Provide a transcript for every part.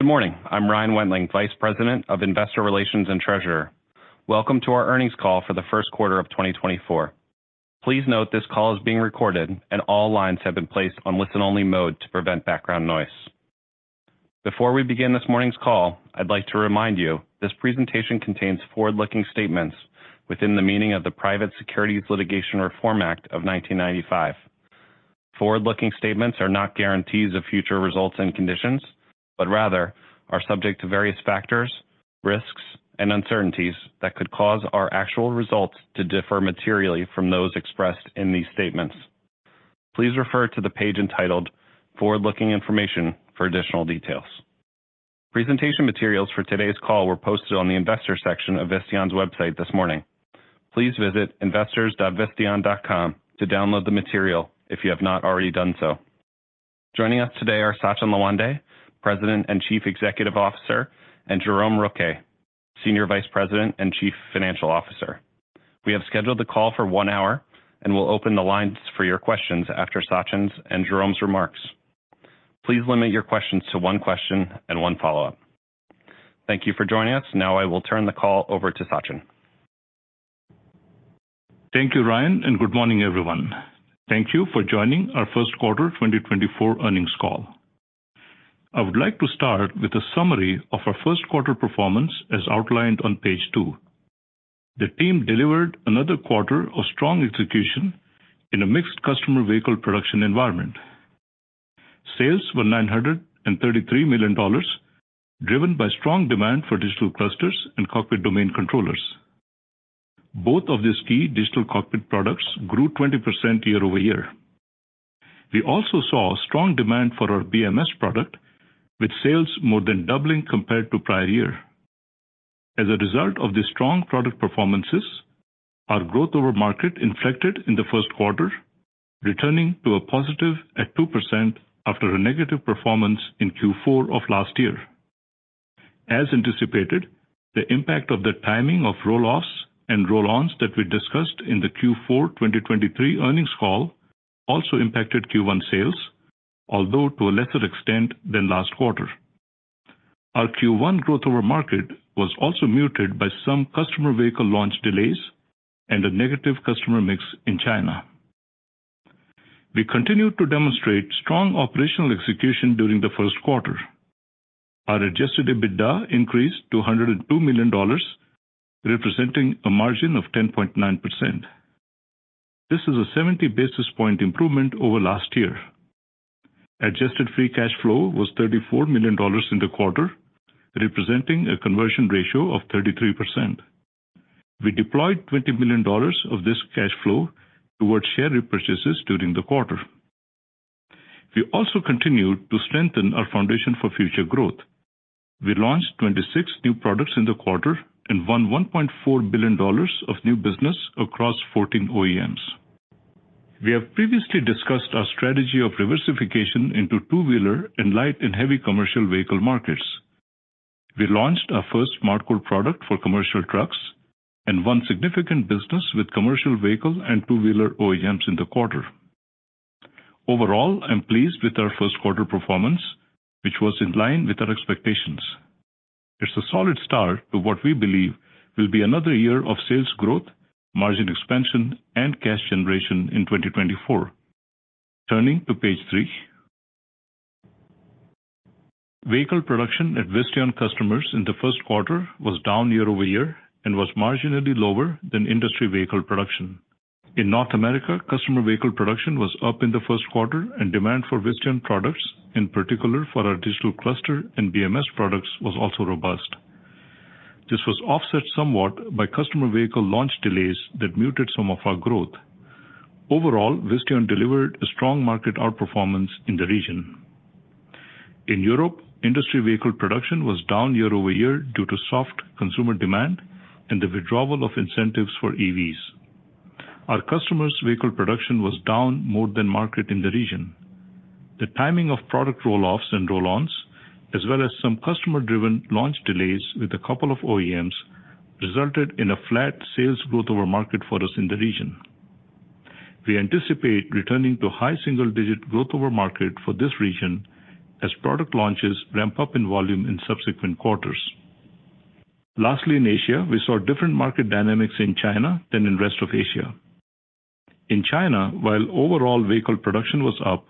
Good morning. I'm Ryan Wendling, Vice President of Investor Relations and Treasurer. Welcome to our earnings call for the first quarter of 2024. Please note this call is being recorded and all lines have been placed on listen-only mode to prevent background noise. Before we begin this morning's call, I'd like to remind you this presentation contains forward-looking statements within the meaning of the Private Securities Litigation Reform Act of 1995. Forward-looking statements are not guarantees of future results and conditions, but rather are subject to various factors, risks, and uncertainties that could cause our actual results to differ materially from those expressed in these statements. Please refer to the page entitled "Forward-looking Information" for additional details. Presentation materials for today's call were posted on the investor section of Visteon's website this morning. Please visit investors.visteon.com to download the material if you have not already done so. Joining us today are Sachin Lawande, President and Chief Executive Officer, and Jerome Rouquet, Senior Vice President and Chief Financial Officer. We have scheduled the call for one hour and will open the lines for your questions after Sachin's and Jerome's remarks. Please limit your questions to one question and one follow-up. Thank you for joining us. Now I will turn the call over to Sachin. Thank you, Ryan, and good morning, everyone. Thank you for joining our first quarter 2024 earnings call. I would like to start with a summary of our first quarter performance as outlined on page two. The team delivered another quarter of strong execution in a mixed customer-vehicle production environment. Sales were $933 million, driven by strong demand for digital clusters and cockpit domain controllers. Both of these key digital cockpit products grew 20% year over year. We also saw strong demand for our BMS product, with sales more than doubling compared to prior year. As a result of these strong product performances, our growth over market inflected in the first quarter, returning to a positive at 2% after a negative performance in Q4 of last year. As anticipated, the impact of the timing of rolloffs and roll-ons that we discussed in the Q4 2023 earnings call also impacted Q1 sales, although to a lesser extent than last quarter. Our Q1 growth over market was also muted by some customer-vehicle launch delays and a negative customer mix in China. We continued to demonstrate strong operational execution during the first quarter. Our Adjusted EBITDA increased to $102 million, representing a margin of 10.9%. This is a 70 basis point improvement over last year. Adjusted Free Cash Flow was $34 million in the quarter, representing a conversion ratio of 33%. We deployed $20 million of this cash flow toward share repurchases during the quarter. We also continued to strengthen our foundation for future growth. We launched 26 new products in the quarter and won $1.4 billion of new business across 14 OEMs. We have previously discussed our strategy of diversification into two-wheeler and light and heavy commercial vehicle markets. We launched our first SmartCore product for commercial trucks and won significant business with commercial vehicle and two-wheeler OEMs in the quarter. Overall, I'm pleased with our first quarter performance, which was in line with our expectations. It's a solid start to what we believe will be another year of sales growth, margin expansion, and cash generation in 2024. Turning to page three. Vehicle production at Visteon customers in the first quarter was down year-over-year and was marginally lower than industry vehicle production. In North America, customer vehicle production was up in the first quarter and demand for Visteon products, in particular for our digital cluster and BMS products, was also robust. This was offset somewhat by customer vehicle launch delays that muted some of our growth. Overall, Visteon delivered a strong market outperformance in the region. In Europe, industry vehicle production was down year-over-year due to soft consumer demand and the withdrawal of incentives for EVs. Our customers' vehicle production was down more than market in the region. The timing of product rolloffs and roll-ons, as well as some customer-driven launch delays with a couple of OEMs, resulted in a flat sales growth over market for us in the region. We anticipate returning to high single-digit growth over market for this region as product launches ramp up in volume in subsequent quarters. Lastly, in Asia, we saw different market dynamics in China than in the rest of Asia. In China, while overall vehicle production was up,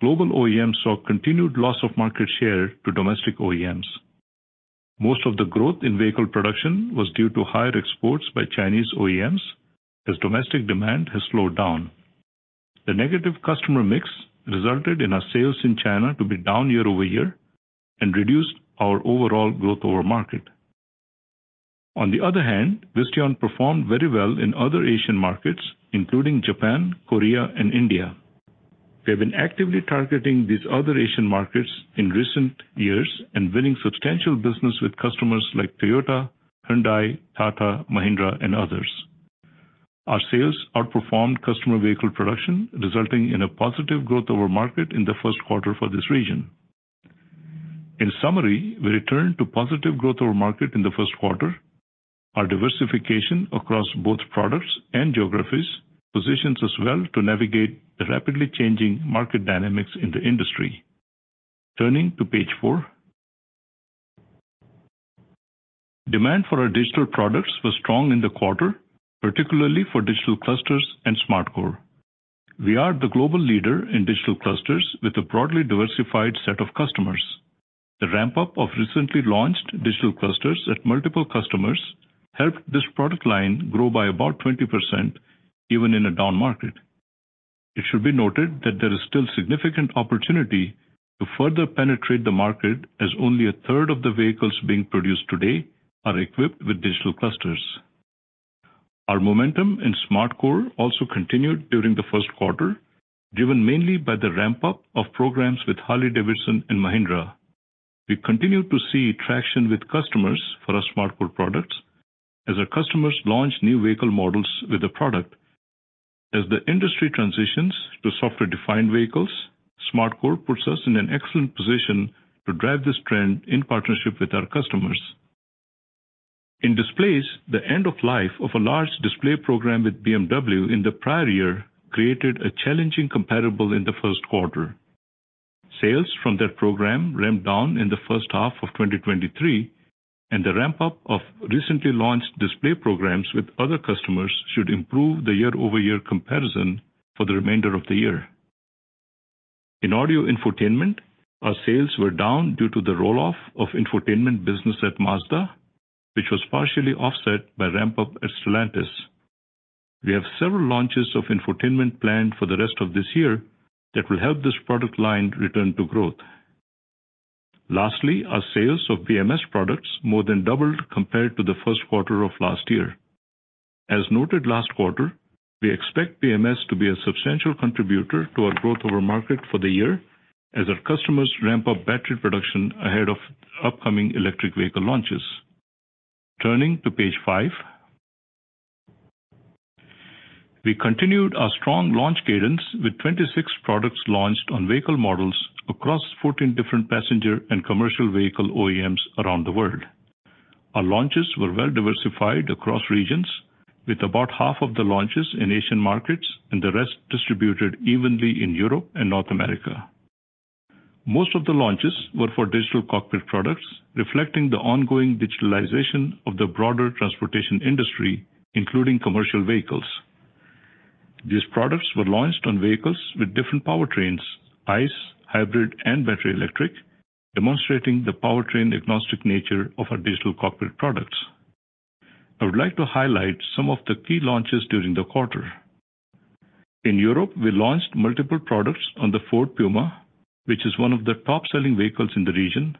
global OEMs saw continued loss of market share to domestic OEMs. Most of the growth in vehicle production was due to higher exports by Chinese OEMs as domestic demand has slowed down. The negative customer mix resulted in our sales in China to be down year-over-year and reduced our overall growth over market. On the other hand, Visteon performed very well in other Asian markets, including Japan, Korea, and India. We have been actively targeting these other Asian markets in recent years and winning substantial business with customers like Toyota, Hyundai, Tata, Mahindra, and others. Our sales outperformed customer vehicle production, resulting in a positive growth over market in the first quarter for this region. In summary, we returned to positive growth over market in the first quarter. Our diversification across both products and geographies positions us well to navigate the rapidly changing market dynamics in the industry. Turning to page four. Demand for our digital products was strong in the quarter, particularly for digital clusters and SmartCore. We are the global leader in digital clusters with a broadly diversified set of customers. The ramp-up of recently launched digital clusters at multiple customers helped this product line grow by about 20% even in a down market. It should be noted that there is still significant opportunity to further penetrate the market as only a third of the vehicles being produced today are equipped with digital clusters. Our momentum in SmartCore also continued during the first quarter, driven mainly by the ramp-up of programs with Harley-Davidson and Mahindra. We continued to see traction with customers for our SmartCore products as our customers launched new vehicle models with the product. As the industry transitions to software-defined vehicles, SmartCore puts us in an excellent position to drive this trend in partnership with our customers. In displays, the end-of-life of a large display program with BMW in the prior year created a challenging comparable in the first quarter. Sales from that program ramped down in the first half of 2023, and the ramp-up of recently launched display programs with other customers should improve the year-over-year comparison for the remainder of the year. In audio infotainment, our sales were down due to the rolloff of infotainment business at Mazda, which was partially offset by ramp-up at Stellantis. We have several launches of infotainment planned for the rest of this year that will help this product line return to growth. Lastly, our sales of BMS products more than doubled compared to the first quarter of last year. As noted last quarter, we expect BMS to be a substantial contributor to our growth over market for the year as our customers ramp up battery production ahead of upcoming electric vehicle launches. Turning to page five. We continued our strong launch cadence with 26 products launched on vehicle models across 14 different passenger and commercial vehicle OEMs around the world. Our launches were well diversified across regions, with about half of the launches in Asian markets and the rest distributed evenly in Europe and North America. Most of the launches were for digital cockpit products, reflecting the ongoing digitalization of the broader transportation industry, including commercial vehicles. These products were launched on vehicles with different powertrains: ICE, hybrid, and battery electric, demonstrating the powertrain-agnostic nature of our digital cockpit products. I would like to highlight some of the key launches during the quarter. In Europe, we launched multiple products on the Ford Puma, which is one of the top-selling vehicles in the region.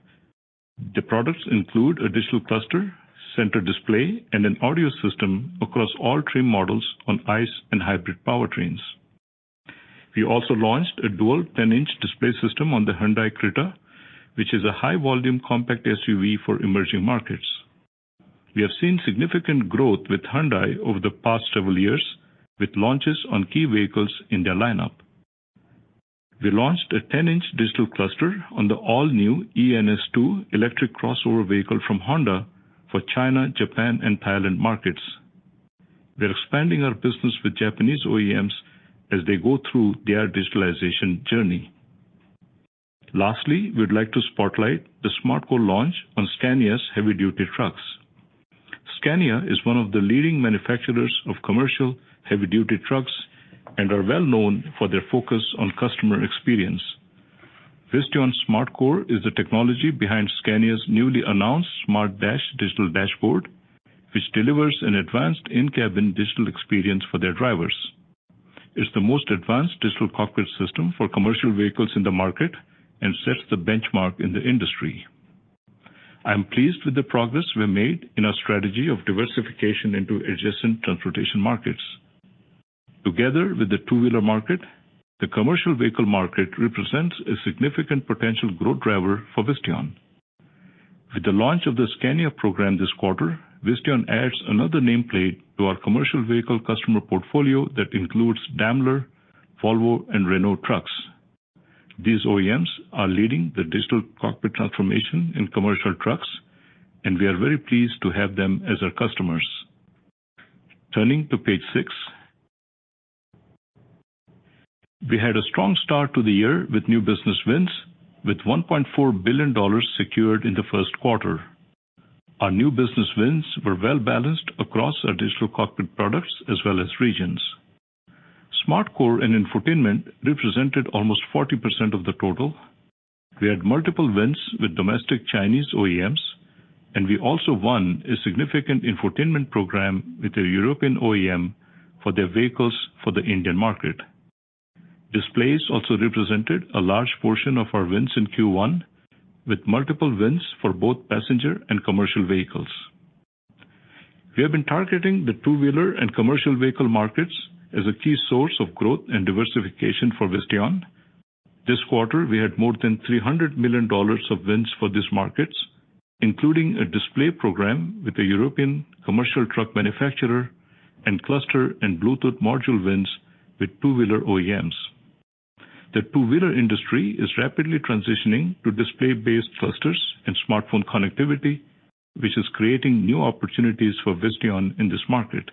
The products include a digital cluster, center display, and an audio system across all trim models on ICE and hybrid powertrains. We also launched a dual 10-inch display system on the Hyundai Creta, which is a high-volume compact SUV for emerging markets. We have seen significant growth with Hyundai over the past several years, with launches on key vehicles in their lineup. We launched a 10-inch digital cluster on the all-new e:NS2 electric crossover vehicle from Honda for China, Japan, and Thailand markets. We are expanding our business with Japanese OEMs as they go through their digitalization journey. Lastly, we would like to spotlight the SmartCore launch on Scania's heavy-duty trucks. Scania is one of the leading manufacturers of commercial heavy-duty trucks and is well known for their focus on customer experience. Visteon SmartCore is the technology behind Scania's newly announced SmartDash digital dashboard, which delivers an advanced in-cabin digital experience for their drivers. It's the most advanced digital cockpit system for commercial vehicles in the market and sets the benchmark in the industry. I'm pleased with the progress we've made in our strategy of diversification into adjacent transportation markets. Together with the two-wheeler market, the commercial vehicle market represents a significant potential growth driver for Visteon. With the launch of the Scania program this quarter, Visteon adds another nameplate to our commercial vehicle customer portfolio that includes Daimler, Volvo, and Renault trucks. These OEMs are leading the digital cockpit transformation in commercial trucks, and we are very pleased to have them as our customers. Turning to page six. We had a strong start to the year with new business wins, with $1.4 billion secured in the first quarter. Our new business wins were well balanced across our digital cockpit products as well as regions. SmartCore and infotainment represented almost 40% of the total. We had multiple wins with domestic Chinese OEMs, and we also won a significant infotainment program with a European OEM for their vehicles for the Indian market. Displays also represented a large portion of our wins in Q1, with multiple wins for both passenger and commercial vehicles. We have been targeting the two-wheeler and commercial vehicle markets as a key source of growth and diversification for Visteon. This quarter, we had more than $300 million of wins for these markets, including a display program with a European commercial truck manufacturer and cluster and Bluetooth module wins with two-wheeler OEMs. The two-wheeler industry is rapidly transitioning to display-based clusters and smartphone connectivity, which is creating new opportunities for Visteon in this market.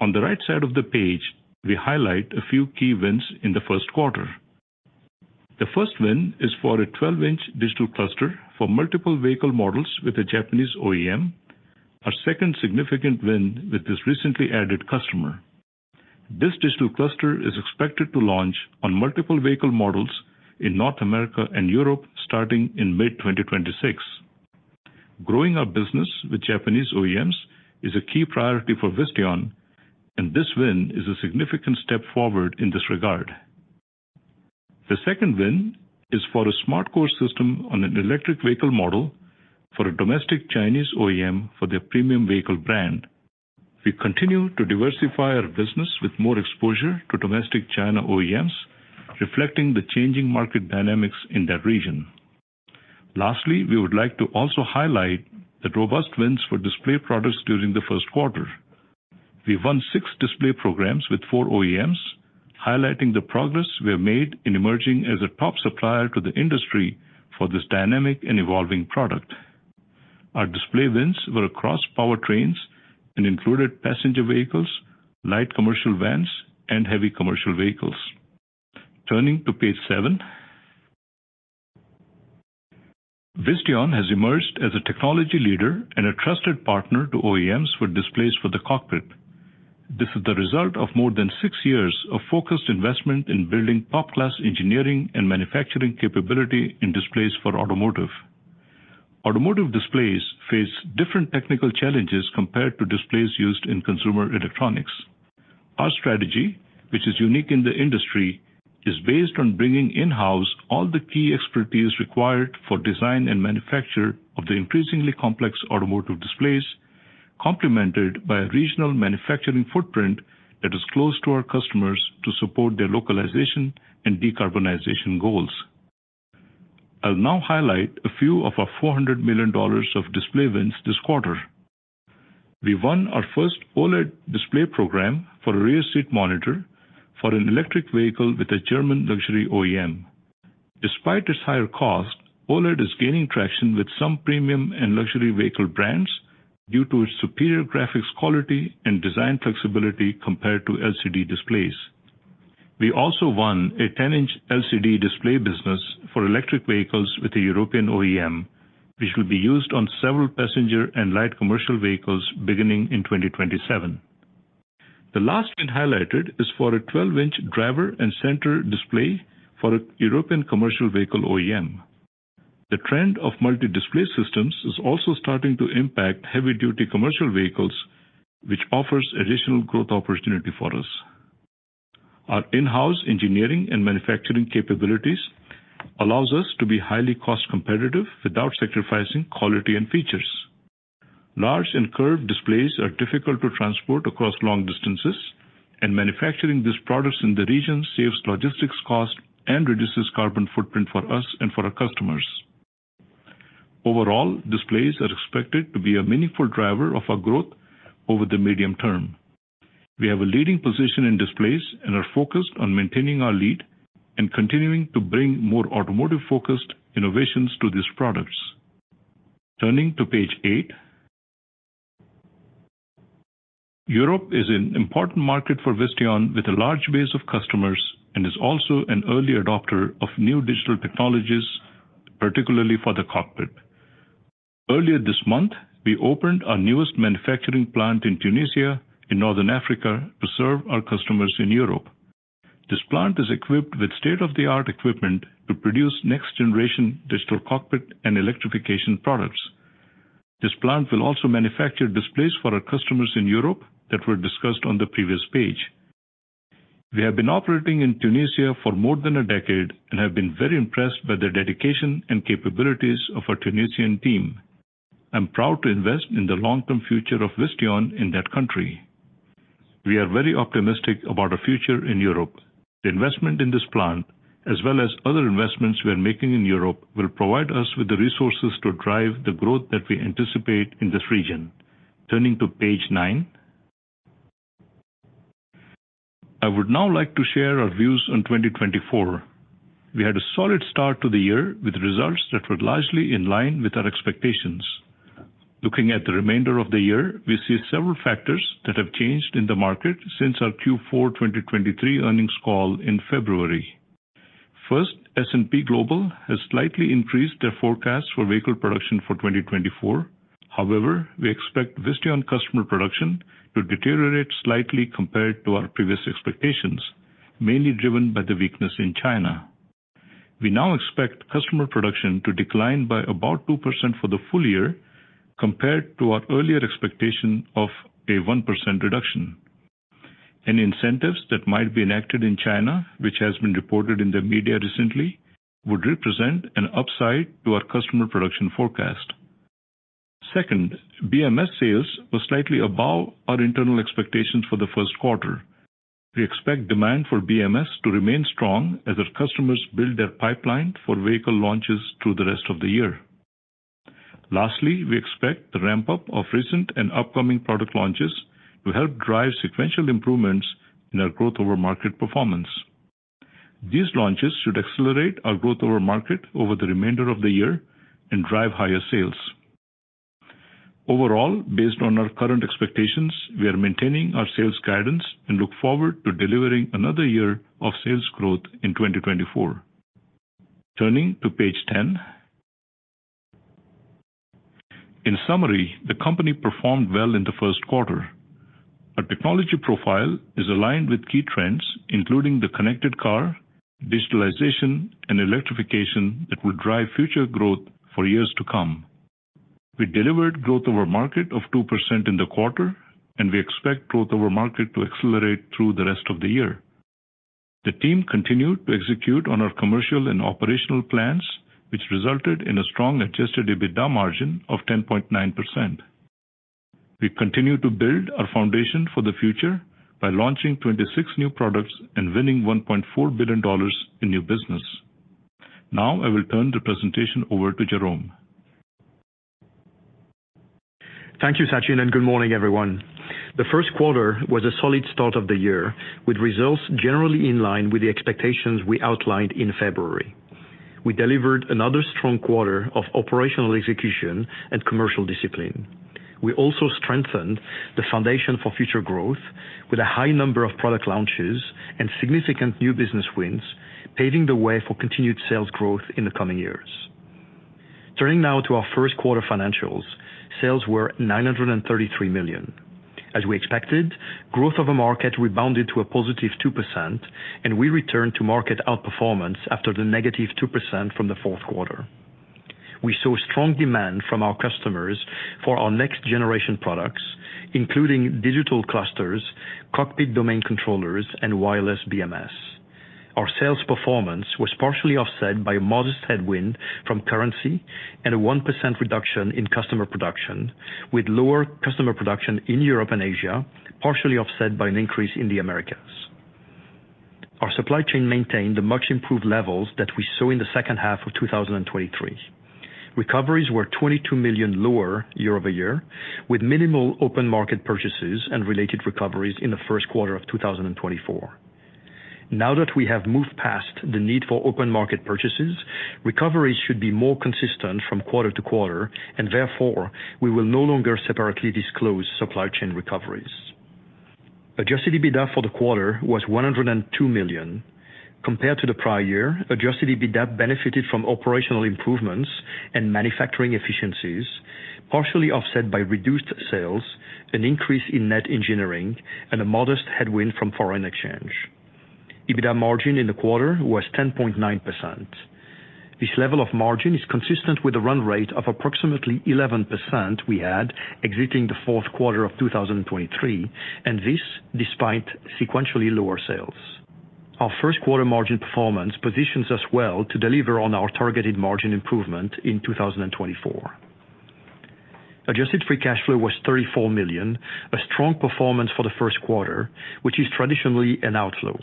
On the right side of the page, we highlight a few key wins in the first quarter. The first win is for a 12-inch digital cluster for multiple vehicle models with a Japanese OEM, our second significant win with this recently added customer. This digital cluster is expected to launch on multiple vehicle models in North America and Europe starting in mid-2026. Growing our business with Japanese OEMs is a key priority for Visteon, and this win is a significant step forward in this regard. The second win is for a SmartCore system on an electric vehicle model for a domestic Chinese OEM for their premium vehicle brand. We continue to diversify our business with more exposure to domestic China OEMs, reflecting the changing market dynamics in that region. Lastly, we would like to also highlight the robust wins for display products during the first quarter. We won six display programs with four OEMs, highlighting the progress we have made in emerging as a top supplier to the industry for this dynamic and evolving product. Our display wins were across powertrains and included passenger vehicles, light commercial vans, and heavy commercial vehicles. Turning to page seven. Visteon has emerged as a technology leader and a trusted partner to OEMs for displays for the cockpit. This is the result of more than six years of focused investment in building top-class engineering and manufacturing capability in displays for automotive. Automotive displays face different technical challenges compared to displays used in consumer electronics. Our strategy, which is unique in the industry, is based on bringing in-house all the key expertise required for design and manufacture of the increasingly complex automotive displays, complemented by a regional manufacturing footprint that is close to our customers to support their localization and decarbonization goals. I'll now highlight a few of our $400 million of display wins this quarter. We won our first OLED display program for a rear-seat monitor for an electric vehicle with a German luxury OEM. Despite its higher cost, OLED is gaining traction with some premium and luxury vehicle brands due to its superior graphics quality and design flexibility compared to LCD displays. We also won a 10-inch LCD display business for electric vehicles with a European OEM, which will be used on several passenger and light commercial vehicles beginning in 2027. The last win highlighted is for a 12-inch driver and center display for a European commercial vehicle OEM. The trend of multi-display systems is also starting to impact heavy-duty commercial vehicles, which offers additional growth opportunity for us. Our in-house engineering and manufacturing capabilities allow us to be highly cost-competitive without sacrificing quality and features. Large and curved displays are difficult to transport across long distances, and manufacturing these products in the region saves logistics costs and reduces carbon footprint for us and for our customers. Overall, displays are expected to be a meaningful driver of our growth over the medium term. We have a leading position in displays and are focused on maintaining our lead and continuing to bring more automotive-focused innovations to these products. Turning to page eight. Europe is an important market for Visteon with a large base of customers and is also an early adopter of new digital technologies, particularly for the cockpit. Earlier this month, we opened our newest manufacturing plant in Tunisia, in North Africa, to serve our customers in Europe. This plant is equipped with state-of-the-art equipment to produce next-generation digital cockpit and electrification products. This plant will also manufacture displays for our customers in Europe that were discussed on the previous page. We have been operating in Tunisia for more than a decade and have been very impressed by the dedication and capabilities of our Tunisian team. I'm proud to invest in the long-term future of Visteon in that country. We are very optimistic about our future in Europe. The investment in this plant, as well as other investments we are making in Europe, will provide us with the resources to drive the growth that we anticipate in this region. Turning to page nine. I would now like to share our views on 2024. We had a solid start to the year with results that were largely in line with our expectations. Looking at the remainder of the year, we see several factors that have changed in the market since our Q4 2023 earnings call in February. First, S&P Global has slightly increased their forecast for vehicle production for 2024. However, we expect Visteon customer production to deteriorate slightly compared to our previous expectations, mainly driven by the weakness in China. We now expect customer production to decline by about 2% for the full year compared to our earlier expectation of a 1% reduction. Any incentives that might be enacted in China, which have been reported in the media recently, would represent an upside to our customer production forecast. Second, BMS sales were slightly above our internal expectations for the first quarter. We expect demand for BMS to remain strong as our customers build their pipeline for vehicle launches through the rest of the year. Lastly, we expect the ramp-up of recent and upcoming product launches to help drive sequential improvements in our growth over market performance. These launches should accelerate our growth over market over the remainder of the year and drive higher sales. Overall, based on our current expectations, we are maintaining our sales guidance and look forward to delivering another year of sales growth in 2024. Turning to Page 10. In summary, the company performed well in the first quarter. Our technology profile is aligned with key trends, including the connected car, digitalization, and electrification that will drive future growth for years to come. We delivered growth over market of 2% in the quarter, and we expect growth over market to accelerate through the rest of the year. The team continued to execute on our commercial and operational plans, which resulted in a strong adjusted EBITDA margin of 10.9%. We continue to build our foundation for the future by launching 26 new products and winning $1.4 billion in new business. Now, I will turn the presentation over to Jerome. Thank you, Sachin, and good morning, everyone. The first quarter was a solid start of the year, with results generally in line with the expectations we outlined in February. We delivered another strong quarter of operational execution and commercial discipline. We also strengthened the foundation for future growth with a high number of product launches and significant new business wins, paving the way for continued sales growth in the coming years. Turning now to our first quarter financials, sales were $933 million. As we expected, growth over market rebounded to a +2%, and we returned to market outperformance after the -2% from the fourth quarter. We saw strong demand from our customers for our next-generation products, including digital clusters, cockpit domain controllers, and wireless BMS. Our sales performance was partially offset by a modest headwind from currency and a 1% reduction in customer production, with lower customer production in Europe and Asia partially offset by an increase in the Americas. Our supply chain maintained the much-improved levels that we saw in the second half of 2023. Recoveries were $22 million lower year-over-year, with minimal open market purchases and related recoveries in the first quarter of 2024. Now that we have moved past the need for open market purchases, recoveries should be more consistent from quarter to quarter, and therefore, we will no longer separately disclose supply chain recoveries. Adjusted EBITDA for the quarter was $102 million. Compared to the prior year, adjusted EBITDA benefited from operational improvements and manufacturing efficiencies, partially offset by reduced sales, an increase in net engineering, and a modest headwind from foreign exchange. EBITDA margin in the quarter was 10.9%. This level of margin is consistent with the run rate of approximately 11% we had exiting the fourth quarter of 2023, and this despite sequentially lower sales. Our first quarter margin performance positions us well to deliver on our targeted margin improvement in 2024. Adjusted free cash flow was $34 million, a strong performance for the first quarter, which is traditionally an outflow.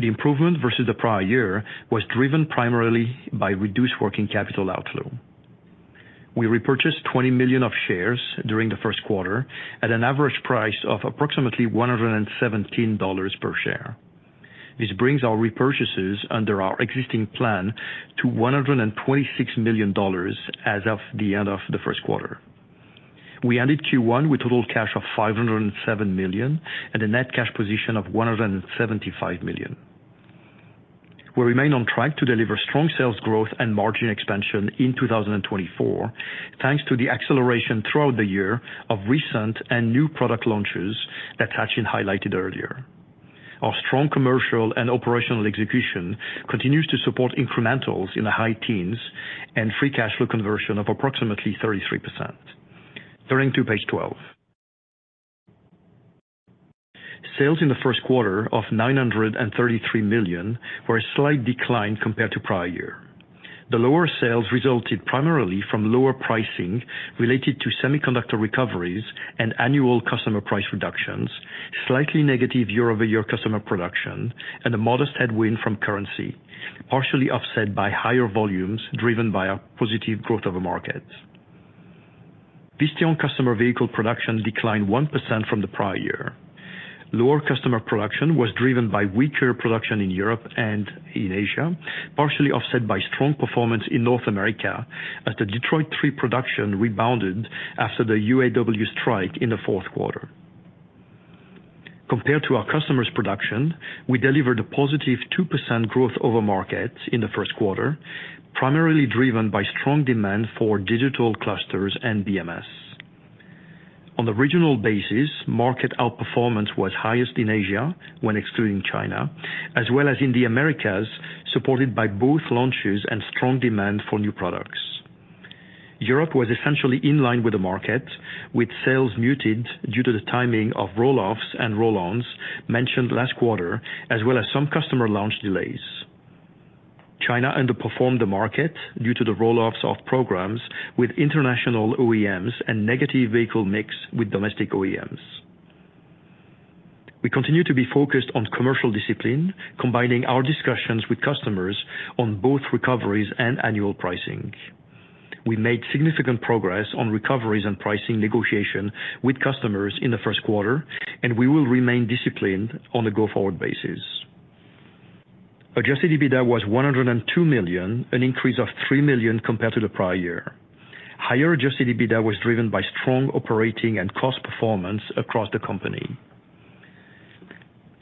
The improvement versus the prior year was driven primarily by reduced working capital outflow. We repurchased $20 million of shares during the first quarter at an average price of approximately $117 per share. This brings our repurchases under our existing plan to $126 million as of the end of the first quarter. We ended Q1 with total cash of $507 million and a net cash position of $175 million. We remain on track to deliver strong sales growth and margin expansion in 2024, thanks to the acceleration throughout the year of recent and new product launches that Sachin highlighted earlier. Our strong commercial and operational execution continues to support incrementals in the high teens and free cash flow conversion of approximately 33%. Turning to Page 12. Sales in the first quarter of $933 million were a slight decline compared to prior year. The lower sales resulted primarily from lower pricing related to semiconductor recoveries and annual customer price reductions, slightly negative year-over-year customer production, and a modest headwind from currency, partially offset by higher volumes driven by our positive growth over market. Visteon customer vehicle production declined 1% from the prior year. Lower customer production was driven by weaker production in Europe and in Asia, partially offset by strong performance in North America as the Detroit 3 production rebounded after the UAW strike in the fourth quarter. Compared to our customers' production, we delivered a positive 2% growth over market in the first quarter, primarily driven by strong demand for digital clusters and BMS. On a regional basis, market outperformance was highest in Asia when excluding China, as well as in the Americas, supported by both launches and strong demand for new products. Europe was essentially in line with the market, with sales muted due to the timing of rolloffs and roll-ons mentioned last quarter, as well as some customer launch delays. China underperformed the market due to the rolloffs of programs with international OEMs and negative vehicle mix with domestic OEMs. We continue to be focused on commercial discipline, combining our discussions with customers on both recoveries and annual pricing. We made significant progress on recoveries and pricing negotiation with customers in the first quarter, and we will remain disciplined on a go-forward basis. Adjusted EBITDA was $102 million, an increase of $3 million compared to the prior year. Higher adjusted EBITDA was driven by strong operating and cost performance across the company.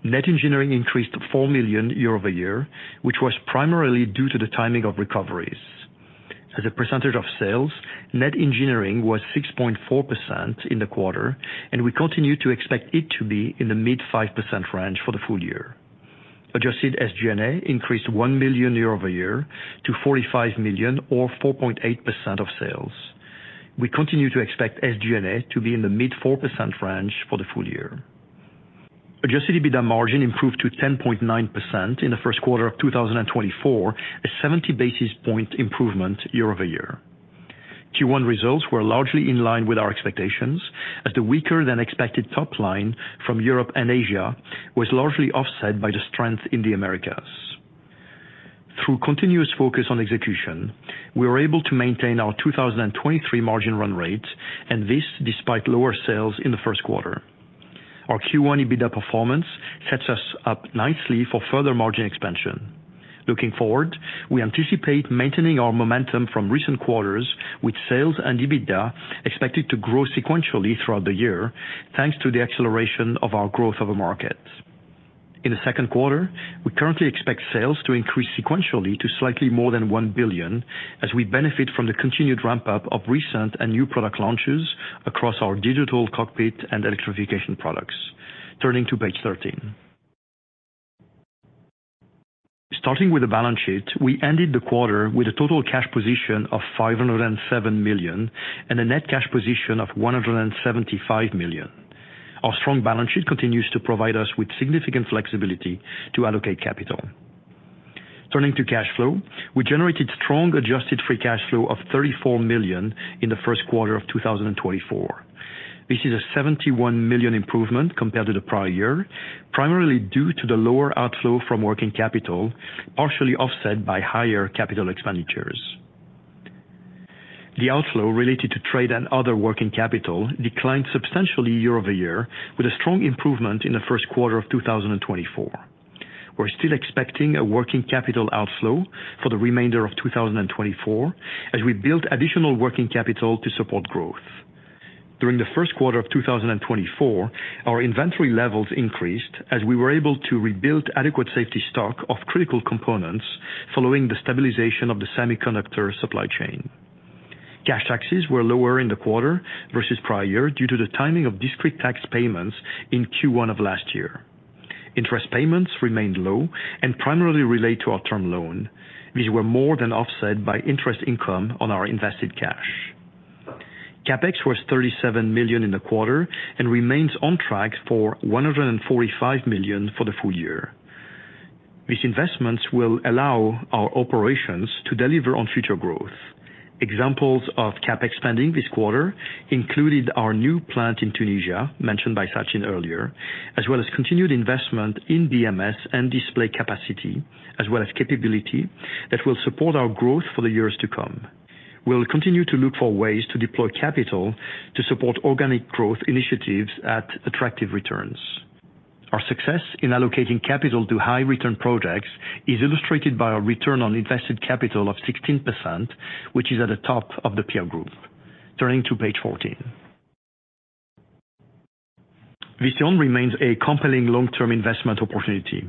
Net engineering increased $4 million year-over-year, which was primarily due to the timing of recoveries. As a percentage of sales, net engineering was 6.4% in the quarter, and we continue to expect it to be in the mid-5% range for the full year. Adjusted SG&A increased $1 million year-over-year to $45 million, or 4.8% of sales. We continue to expect SG&A to be in the mid-4% range for the full year. Adjusted EBITDA margin improved to 10.9% in the first quarter of 2024, a 70 basis points improvement year-over-year. Q1 results were largely in line with our expectations, as the weaker-than-expected top line from Europe and Asia was largely offset by the strength in the Americas. Through continuous focus on execution, we were able to maintain our 2023 margin run rate, and this despite lower sales in the first quarter. Our Q1 EBITDA performance sets us up nicely for further margin expansion. Looking forward, we anticipate maintaining our momentum from recent quarters, with sales and EBITDA expected to grow sequentially throughout the year, thanks to the acceleration of our growth over market. In the second quarter, we currently expect sales to increase sequentially to slightly more than $1 billion, as we benefit from the continued ramp-up of recent and new product launches across our digital cockpit and electrification products. Turning to Page 13. Starting with the balance sheet, we ended the quarter with a total cash position of $507 million and a net cash position of $175 million. Our strong balance sheet continues to provide us with significant flexibility to allocate capital. Turning to cash flow, we generated strong adjusted free cash flow of $34 million in the first quarter of 2024. This is a $71 million improvement compared to the prior year, primarily due to the lower outflow from working capital, partially offset by higher capital expenditures. The outflow related to trade and other working capital declined substantially year-over-year, with a strong improvement in the first quarter of 2024. We're still expecting a working capital outflow for the remainder of 2024, as we build additional working capital to support growth. During the first quarter of 2024, our inventory levels increased as we were able to rebuild adequate safety stock of critical components following the stabilization of the semiconductor supply chain. Cash taxes were lower in the quarter versus prior year due to the timing of discrete tax payments in Q1 of last year. Interest payments remained low and primarily relate to our term loan. These were more than offset by interest income on our invested cash. CapEx was $37 million in the quarter and remains on track for $145 million for the full year. These investments will allow our operations to deliver on future growth. Examples of CapEx spending this quarter included our new plant in Tunisia, mentioned by Sachin earlier, as well as continued investment in BMS and display capacity, as well as capability that will support our growth for the years to come. We'll continue to look for ways to deploy capital to support organic growth initiatives at attractive returns. Our success in allocating capital to high-return projects is illustrated by our return on invested capital of 16%, which is at the top of the peer group. Turning to Page 14. Visteon remains a compelling long-term investment opportunity.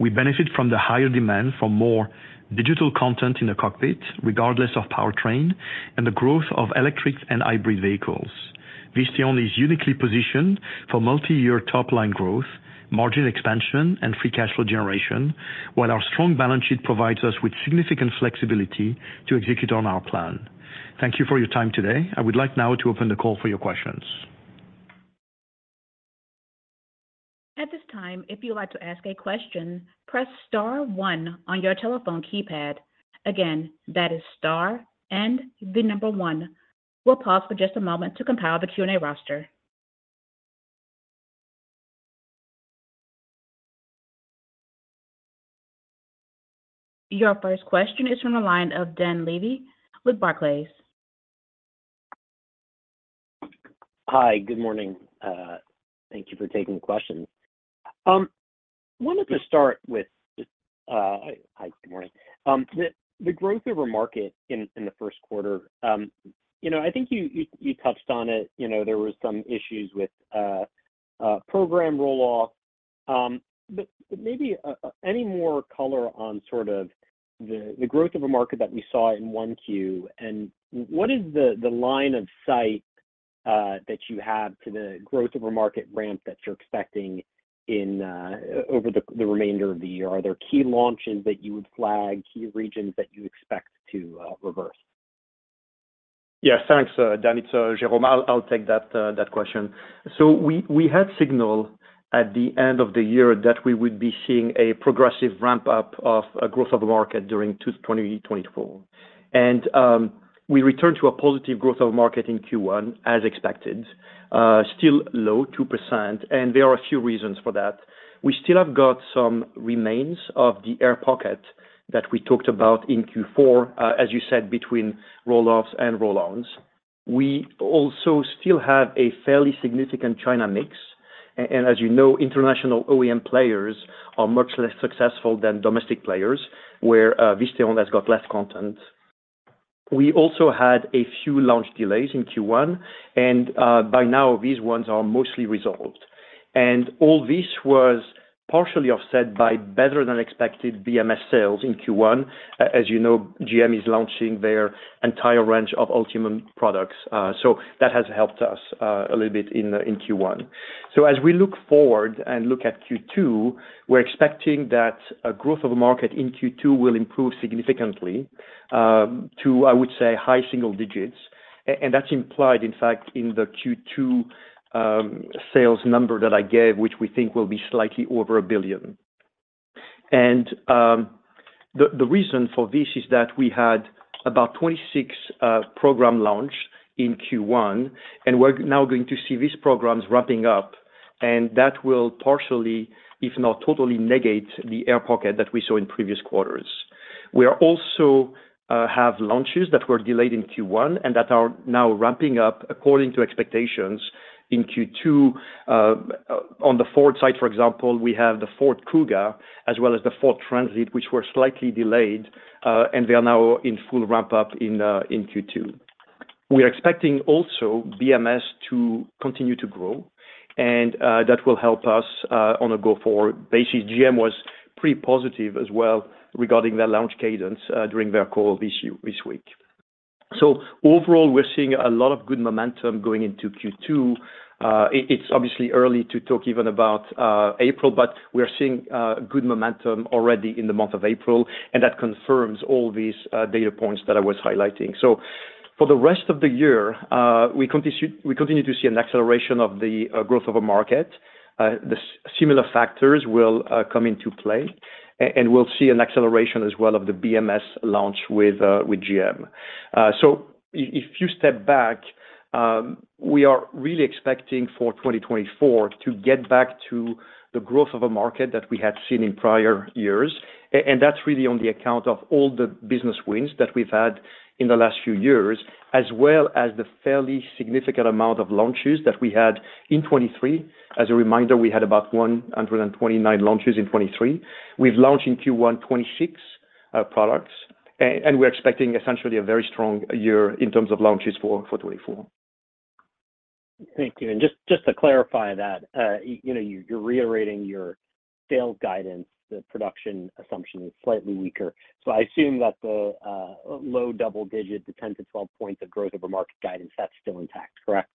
We benefit from the higher demand for more digital content in the cockpit, regardless of powertrain, and the growth of electric and hybrid vehicles. Visteon is uniquely positioned for multi-year top-line growth, margin expansion, and free cash flow generation, while our strong balance sheet provides us with significant flexibility to execute on our plan. Thank you for your time today. I would like now to open the call for your questions. At this time, if you would like to ask a question, press star one on your telephone keypad. Again, that is star and the number one. We'll pause for just a moment to compile the Q&A roster. Your first question is from the line of Dan Levy with Barclays. Hi, good morning. Thank you for taking the question. I wanted to start with hi, good morning. The growth over market in the first quarter, I think you touched on it. There were some issues with program rolloff. But maybe any more color on sort of the growth over market that we saw in 1Q, and what is the line of sight that you have to the growth over market ramp that you're expecting over the remainder of the year? Are there key launches that you would flag, key regions that you expect to reverse? Yes, thanks, Dan. Jerome, I'll take that question. So we had signal at the end of the year that we would be seeing a progressive ramp-up of growth over market during 2024. And we returned to a positive growth over market in Q1, as expected, still low, 2%. And there are a few reasons for that. We still have got some remains of the air pocket that we talked about in Q4, as you said, between rolloffs and roll-ons. We also still have a fairly significant China mix. And as you know, international OEM players are much less successful than domestic players, where Visteon has got less content. We also had a few launch delays in Q1, and by now, these ones are mostly resolved. And all this was partially offset by better-than-expected BMS sales in Q1. As you know, GM is launching their entire range of Ultium products. So that has helped us a little bit in Q1. So as we look forward and look at Q2, we're expecting that growth over market in Q2 will improve significantly to, I would say, high single digits. And that's implied, in fact, in the Q2 sales number that I gave, which we think will be slightly over $1 billion. And the reason for this is that we had about 26 programs launched in Q1, and we're now going to see these programs ramping up. And that will partially, if not totally, negate the air pocket that we saw in previous quarters. We also have launches that were delayed in Q1 and that are now ramping up according to expectations in Q2. On the Ford side, for example, we have the Ford Kuga as well as the Ford Transit, which were slightly delayed, and they are now in full ramp-up in Q2. We are expecting also BMS to continue to grow, and that will help us on a go-forward basis. GM was pretty positive as well regarding their launch cadence during their call this week. So overall, we're seeing a lot of good momentum going into Q2. It's obviously early to talk even about April, but we're seeing good momentum already in the month of April, and that confirms all these data points that I was highlighting. So for the rest of the year, we continue to see an acceleration of the growth of a market. The similar factors will come into play, and we'll see an acceleration as well of the BMS launch with GM. So if you step back, we are really expecting for 2024 to get back to the growth of a market that we had seen in prior years. That's really on the account of all the business wins that we've had in the last few years, as well as the fairly significant amount of launches that we had in 2023. As a reminder, we had about 129 launches in 2023. We've launched in Q1 26 products, and we're expecting essentially a very strong year in terms of launches for 2024. Thank you. And just to clarify that, you're reiterating your sales guidance. The production assumption is slightly weaker. So I assume that the low double-digit, the 10 points-12 points of growth over market guidance, that's still intact, correct?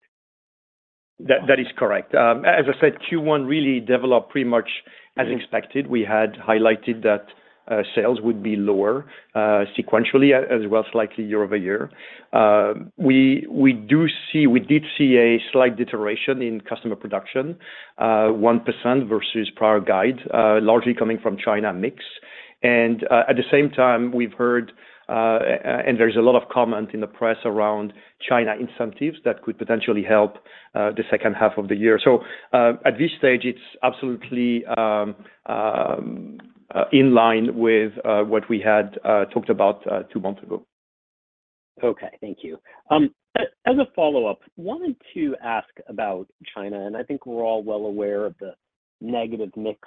That is correct. As I said, Q1 really developed pretty much as expected. We had highlighted that sales would be lower sequentially, as well as slightly year-over-year. We did see a slight deterioration in customer production, 1% versus prior guide, largely coming from China mix. And at the same time, we've heard and there's a lot of comment in the press around China incentives that could potentially help the second half of the year. So at this stage, it's absolutely in line with what we had talked about two months ago. Okay, thank you. As a follow-up, I wanted to ask about China, and I think we're all well aware of the negative mix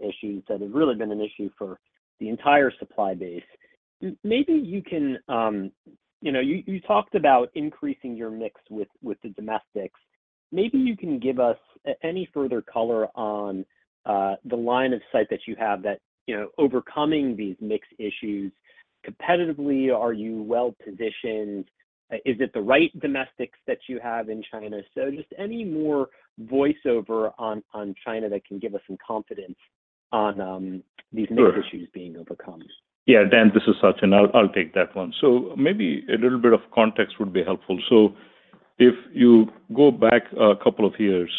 issues that have really been an issue for the entire supply base. Maybe you talked about increasing your mix with the domestics. Maybe you can give us any further color on the line of sight that you have that overcoming these mix issues competitively. Are you well positioned? Is it the right domestics that you have in China? So just any more color on China that can give us some confidence on these mix issues being overcome. Sure. Yeah, Dan, this is Sachin. I'll take that one. So maybe a little bit of context would be helpful. So if you go back a couple of years,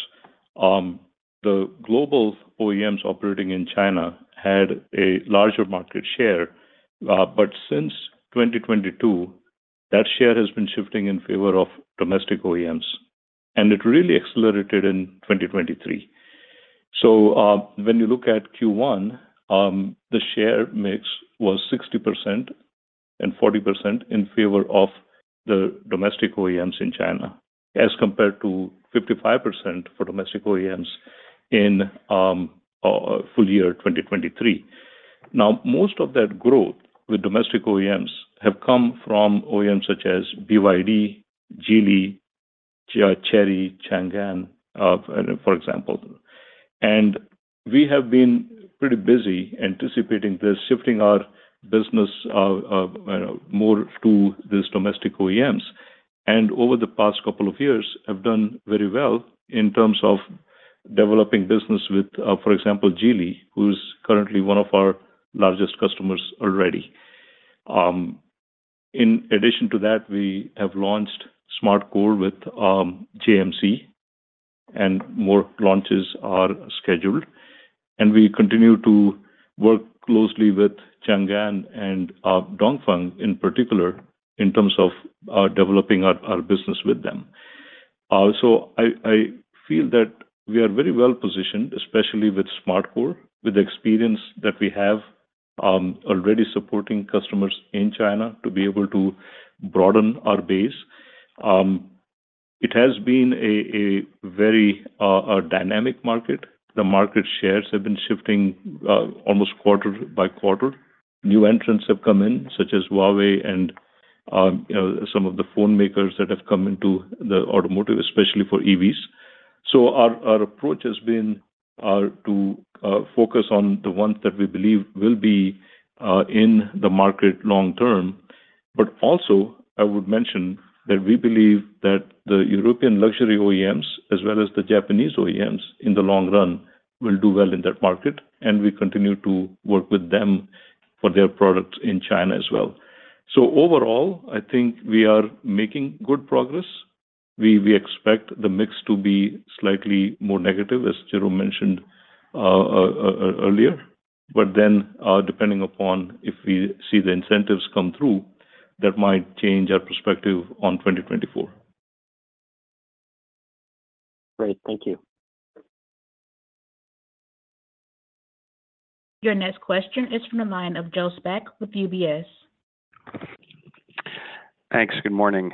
the global OEMs operating in China had a larger market share. But since 2022, that share has been shifting in favor of domestic OEMs, and it really accelerated in 2023. So when you look at Q1, the share mix was 60% and 40% in favor of the domestic OEMs in China, as compared to 55% for domestic OEMs in full year 2023. Now, most of that growth with domestic OEMs has come from OEMs such as BYD, Geely, Chery, Changan, for example. We have been pretty busy anticipating this, shifting our business more to these domestic OEMs, and over the past couple of years, have done very well in terms of developing business with, for example, Geely, who is currently one of our largest customers already. In addition to that, we have launched SmartCore with JMC, and more launches are scheduled. We continue to work closely with Changan and Dongfeng in particular in terms of developing our business with them. I feel that we are very well positioned, especially with SmartCore, with the experience that we have already supporting customers in China to be able to broaden our base. It has been a very dynamic market. The market shares have been shifting almost quarter by quarter. New entrants have come in, such as Huawei and some of the phone makers that have come into the automotive, especially for EVs. So our approach has been to focus on the ones that we believe will be in the market long term. But also, I would mention that we believe that the European luxury OEMs, as well as the Japanese OEMs, in the long run will do well in that market, and we continue to work with them for their products in China as well. So overall, I think we are making good progress. We expect the mix to be slightly more negative, as Jerome mentioned earlier. But then, depending upon if we see the incentives come through, that might change our perspective on 2024. Great. Thank you. Your next question is from the line of Joseph Spak with UBS. Thanks. Good morning.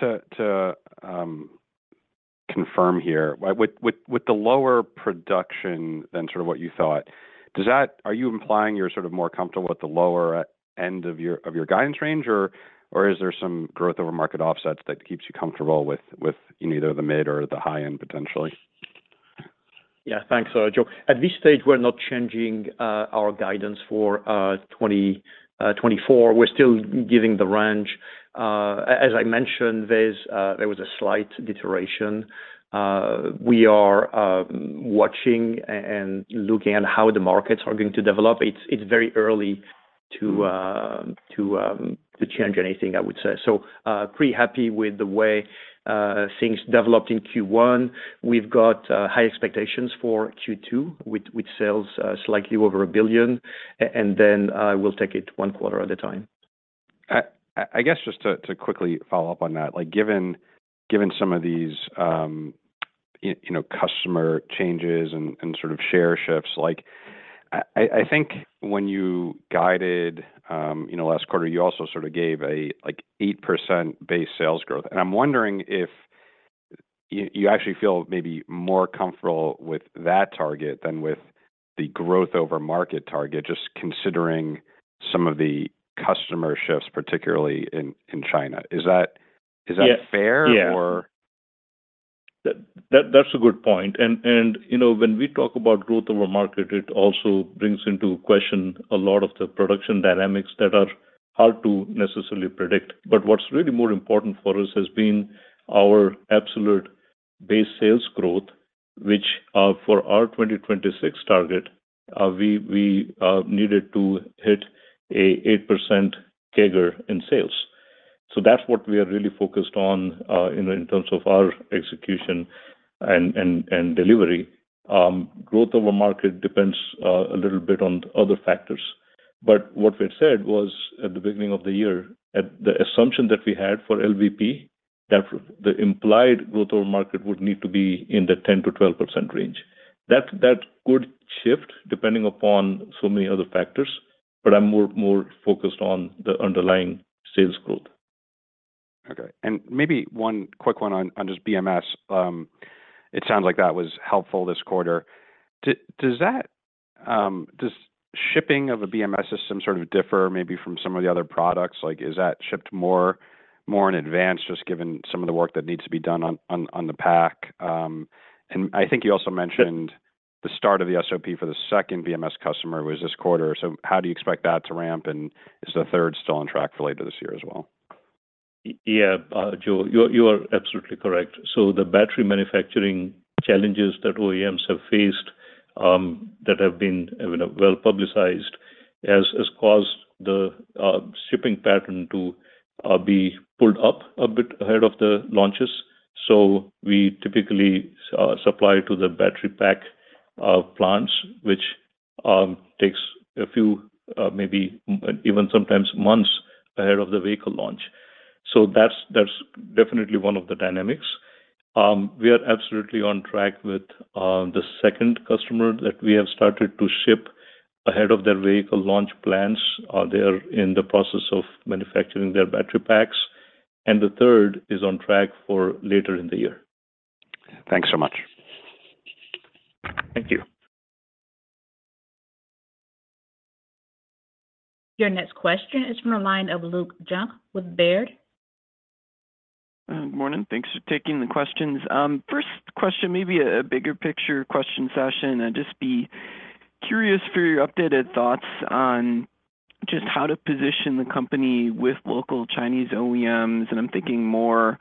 Just to confirm here, with the lower production than sort of what you thought, are you implying you're sort of more comfortable at the lower end of your guidance range, or is there some growth over market offsets that keeps you comfortable with either the mid or the high end, potentially? Yeah, thanks, Joe. At this stage, we're not changing our guidance for 2024. We're still giving the range. As I mentioned, there was a slight deterioration. We are watching and looking at how the markets are going to develop. It's very early to change anything, I would say. So pretty happy with the way things developed in Q1. We've got high expectations for Q2 with sales slightly over $1 billion. And then I will take it one quarter at a time. I guess just to quickly follow up on that, given some of these customer changes and sort of share shifts, I think when you guided last quarter, you also sort of gave an 8% base sales growth. And I'm wondering if you actually feel maybe more comfortable with that target than with the growth over market target, just considering some of the customer shifts, particularly in China. Is that fair, or? Yeah, that's a good point. When we talk about growth over market, it also brings into question a lot of the production dynamics that are hard to necessarily predict. What's really more important for us has been our absolute base sales growth, which for our 2026 target, we needed to hit an 8% CAGR in sales. That's what we are really focused on in terms of our execution and delivery. Growth over market depends a little bit on other factors. What we had said was at the beginning of the year, the assumption that we had for LVP, that the implied growth over market would need to be in the 10%-12% range. That could shift depending upon so many other factors, but I'm more focused on the underlying sales growth. Okay. Maybe one quick one on just BMS. It sounds like that was helpful this quarter. Does shipping of a BMS system sort of differ maybe from some of the other products? Is that shipped more in advance, just given some of the work that needs to be done on the pack? I think you also mentioned the start of the SOP for the second BMS customer was this quarter. How do you expect that to ramp, and is the third still on track for later this year as well? Yeah, Joe, you are absolutely correct. So the battery manufacturing challenges that OEMs have faced that have been well publicized has caused the shipping pattern to be pulled up a bit ahead of the launches. So we typically supply to the battery pack plants, which takes a few, maybe even sometimes months ahead of the vehicle launch. So that's definitely one of the dynamics. We are absolutely on track with the second customer that we have started to ship ahead of their vehicle launch plans. They are in the process of manufacturing their battery packs. And the third is on track for later in the year. Thanks so much. Thank you. Your next question is from the line of Luke Junk with Baird. Good morning. Thanks for taking the questions. First question, maybe a bigger picture question, Sachin. I'd just be curious for your updated thoughts on just how to position the company with local Chinese OEMs? I'm thinking more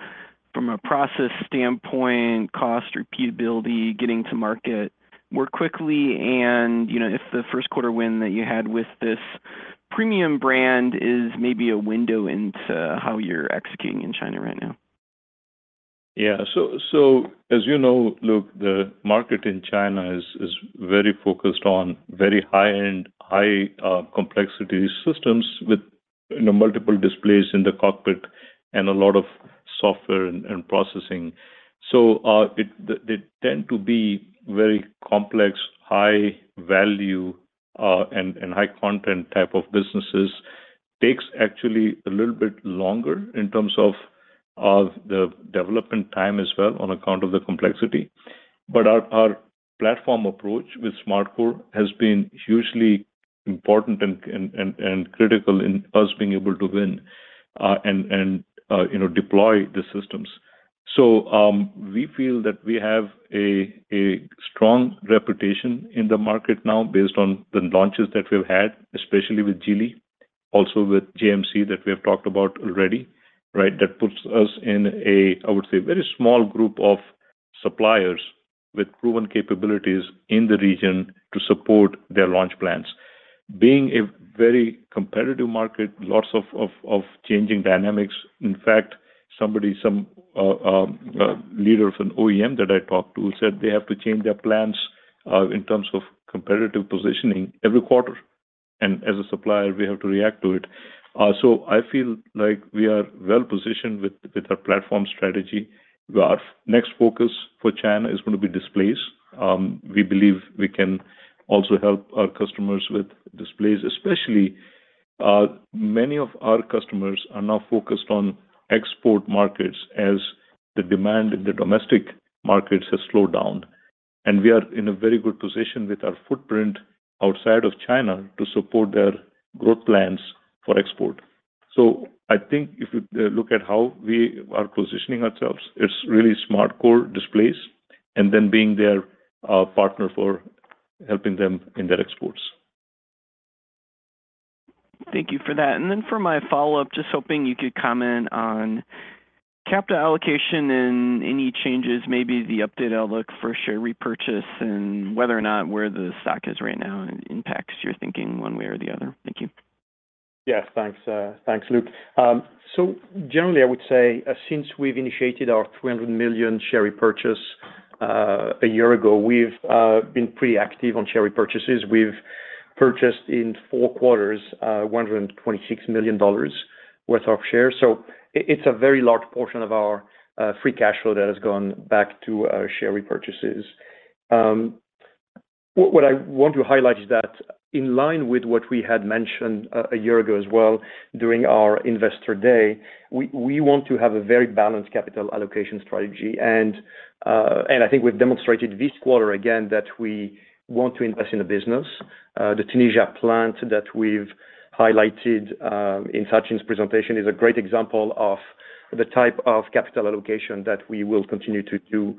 from a process standpoint, cost, repeatability, getting to market more quickly, and if the first quarter win that you had with this premium brand is maybe a window into how you're executing in China right now. Yeah. So as you know, Luke, the market in China is very focused on very high-end, high-complexity systems with multiple displays in the cockpit and a lot of software and processing. So they tend to be very complex, high-value, and high-content type of businesses. Takes actually a little bit longer in terms of the development time as well on account of the complexity. But our platform approach with SmartCore has been hugely important and critical in us being able to win and deploy the systems. So we feel that we have a strong reputation in the market now based on the launches that we've had, especially with Geely, also with JMC that we have talked about already, right, that puts us in a, I would say, very small group of suppliers with proven capabilities in the region to support their launch plans. Being a very competitive market, lots of changing dynamics. In fact, some leaders of an OEM that I talked to said they have to change their plans in terms of competitive positioning every quarter. As a supplier, we have to react to it. I feel like we are well positioned with our platform strategy. Our next focus for China is going to be displays. We believe we can also help our customers with displays, especially many of our customers are now focused on export markets as the demand in the domestic markets has slowed down. We are in a very good position with our footprint outside of China to support their growth plans for export. I think if you look at how we are positioning ourselves, it's really SmartCore displays and then being their partner for helping them in their exports. Thank you for that. And then for my follow-up, just hoping you could comment on capital allocation and any changes, maybe the update outlook for share repurchase and whether or not where the stock is right now impacts your thinking one way or the other? Thank you. Yes, thanks. Thanks, Luke. Generally, I would say since we've initiated our 300 million share repurchase a year ago, we've been pretty active on share repurchases. We've purchased in four quarters $126 million worth of shares. It's a very large portion of our free cash flow that has gone back to share repurchases. What I want to highlight is that in line with what we had mentioned a year ago as well during our investor day, we want to have a very balanced capital allocation strategy. I think we've demonstrated this quarter again that we want to invest in the business. The Tunisia plant that we've highlighted in Sachin's presentation is a great example of the type of capital allocation that we will continue to do.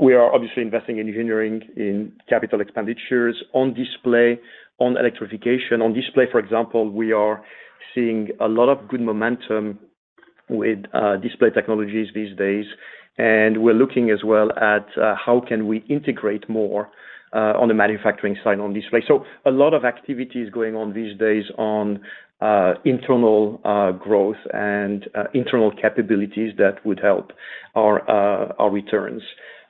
We are obviously investing in engineering, in capital expenditures, on display, on electrification. On display, for example, we are seeing a lot of good momentum with display technologies these days. We're looking as well at how can we integrate more on the manufacturing side on display. A lot of activity is going on these days on internal growth and internal capabilities that would help our returns.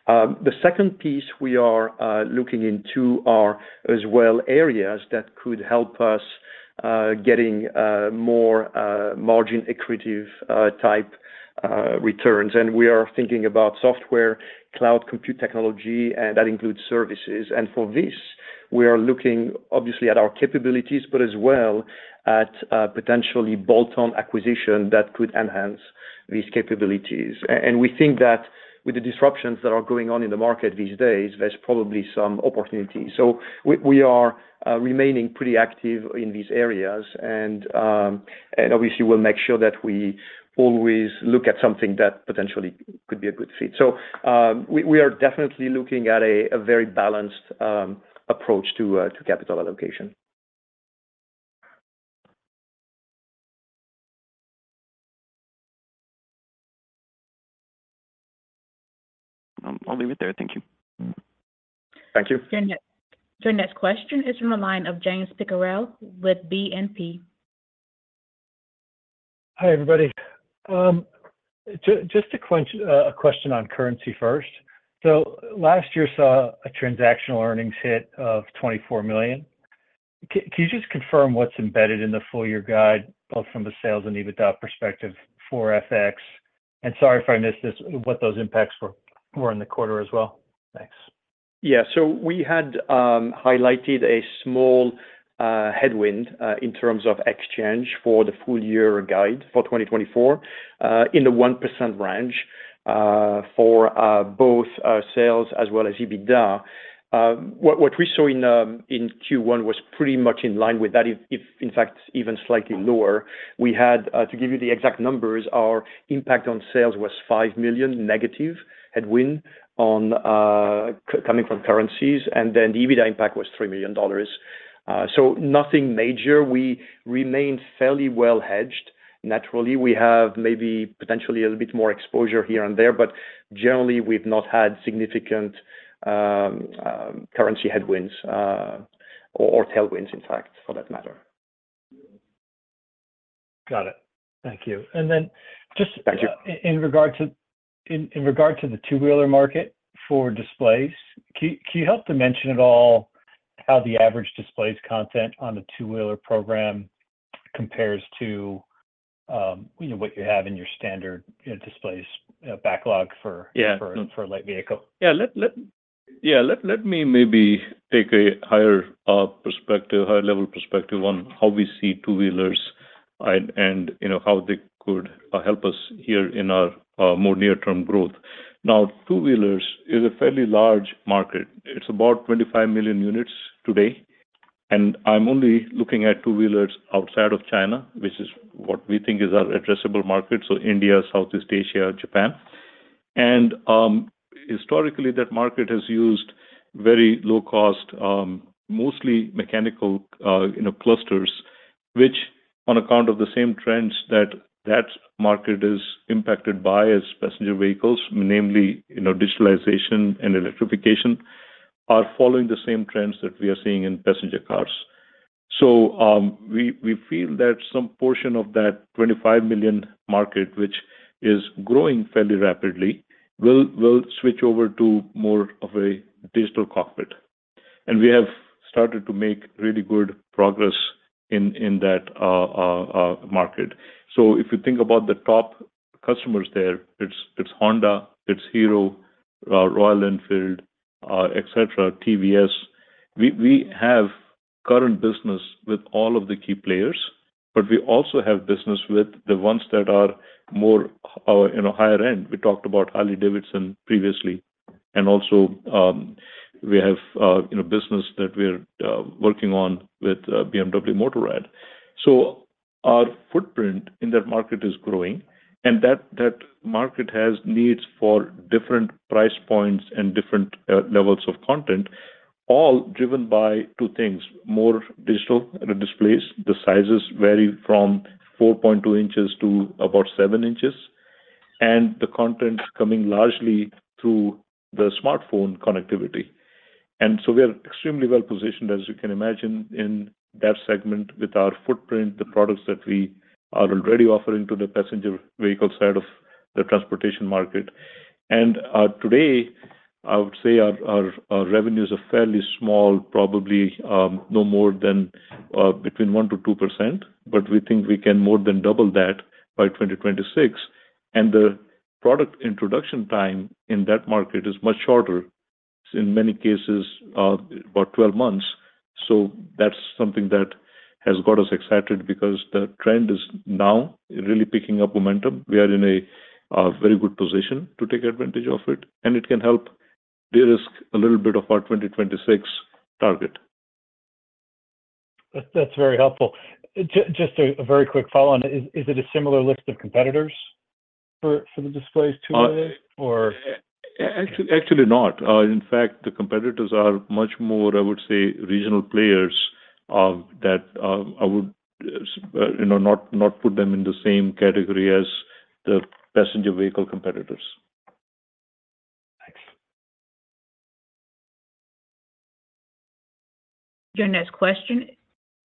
The second piece we are looking into are as well areas that could help us getting more margin accretive type returns. We are thinking about software, cloud compute technology, and that includes services. For this, we are looking obviously at our capabilities, but as well at potentially bolt-on acquisition that could enhance these capabilities. We think that with the disruptions that are going on in the market these days, there's probably some opportunity. We are remaining pretty active in these areas. Obviously, we'll make sure that we always look at something that potentially could be a good fit. We are definitely looking at a very balanced approach to capital allocation. I'll leave it there. Thank you. Thank you. Your next question is from the line of James Picariello with BNP. Hi, everybody. Just a question on currency first. So last year saw a transactional earnings hit of $24 million. Can you just confirm what's embedded in the full year guide, both from a sales and EBITDA perspective, for FX? And sorry if I missed this, what those impacts were in the quarter as well. Thanks. Yeah. So we had highlighted a small headwind in terms of exchange for the full year guide for 2024 in the 1% range for both sales as well as EBITDA. What we saw in Q1 was pretty much in line with that, in fact, even slightly lower. We had, to give you the exact numbers, our impact on sales was $5 million negative headwind coming from currencies. And then the EBITDA impact was $3 million. So nothing major. We remain fairly well hedged. Naturally, we have maybe potentially a little bit more exposure here and there. But generally, we've not had significant currency headwinds or tailwinds, in fact, for that matter. Got it. Thank you. And then just in regard to the two-wheeler market for displays, can you help to mention at all how the average displays content on the two-wheeler program compares to what you have in your standard displays backlog for a light vehicle? Yeah. Yeah. Let me maybe take a higher perspective, higher-level perspective on how we see two-wheelers and how they could help us here in our more near-term growth. Now, two-wheelers is a fairly large market. It's about 25 million units today. And I'm only looking at two-wheelers outside of China, which is what we think is our addressable market, so India, Southeast Asia, Japan. And historically, that market has used very low-cost, mostly mechanical clusters, which on account of the same trends that that market is impacted by as passenger vehicles, namely digitalization and electrification, are following the same trends that we are seeing in passenger cars. So we feel that some portion of that 25 million market, which is growing fairly rapidly, will switch over to more of a digital cockpit. And we have started to make really good progress in that market. So if you think about the top customers there, it's Honda, it's Hero, Royal Enfield, etc., TVS. We have current business with all of the key players, but we also have business with the ones that are more higher-end. We talked about Harley-Davidson previously. And also we have business that we're working on with BMW Motorrad. So our footprint in that market is growing. And that market has needs for different price points and different levels of content, all driven by two things: more digital displays. The sizes vary from 4.2 inches to about 7 inches, and the content coming largely through the smartphone connectivity. And so we are extremely well positioned, as you can imagine, in that segment with our footprint, the products that we are already offering to the passenger vehicle side of the transportation market. Today, I would say our revenues are fairly small, probably no more than 1%-2%. We think we can more than double that by 2026. The product introduction time in that market is much shorter, in many cases, about 12 months. That's something that has got us excited because the trend is now really picking up momentum. We are in a very good position to take advantage of it. It can help de-risk a little bit of our 2026 target. That's very helpful. Just a very quick follow-on. Is it a similar list of competitors for the displays two-wheelers, or? Actually, not. In fact, the competitors are much more, I would say, regional players that I would not put them in the same category as the passenger vehicle competitors. Thanks. Your next question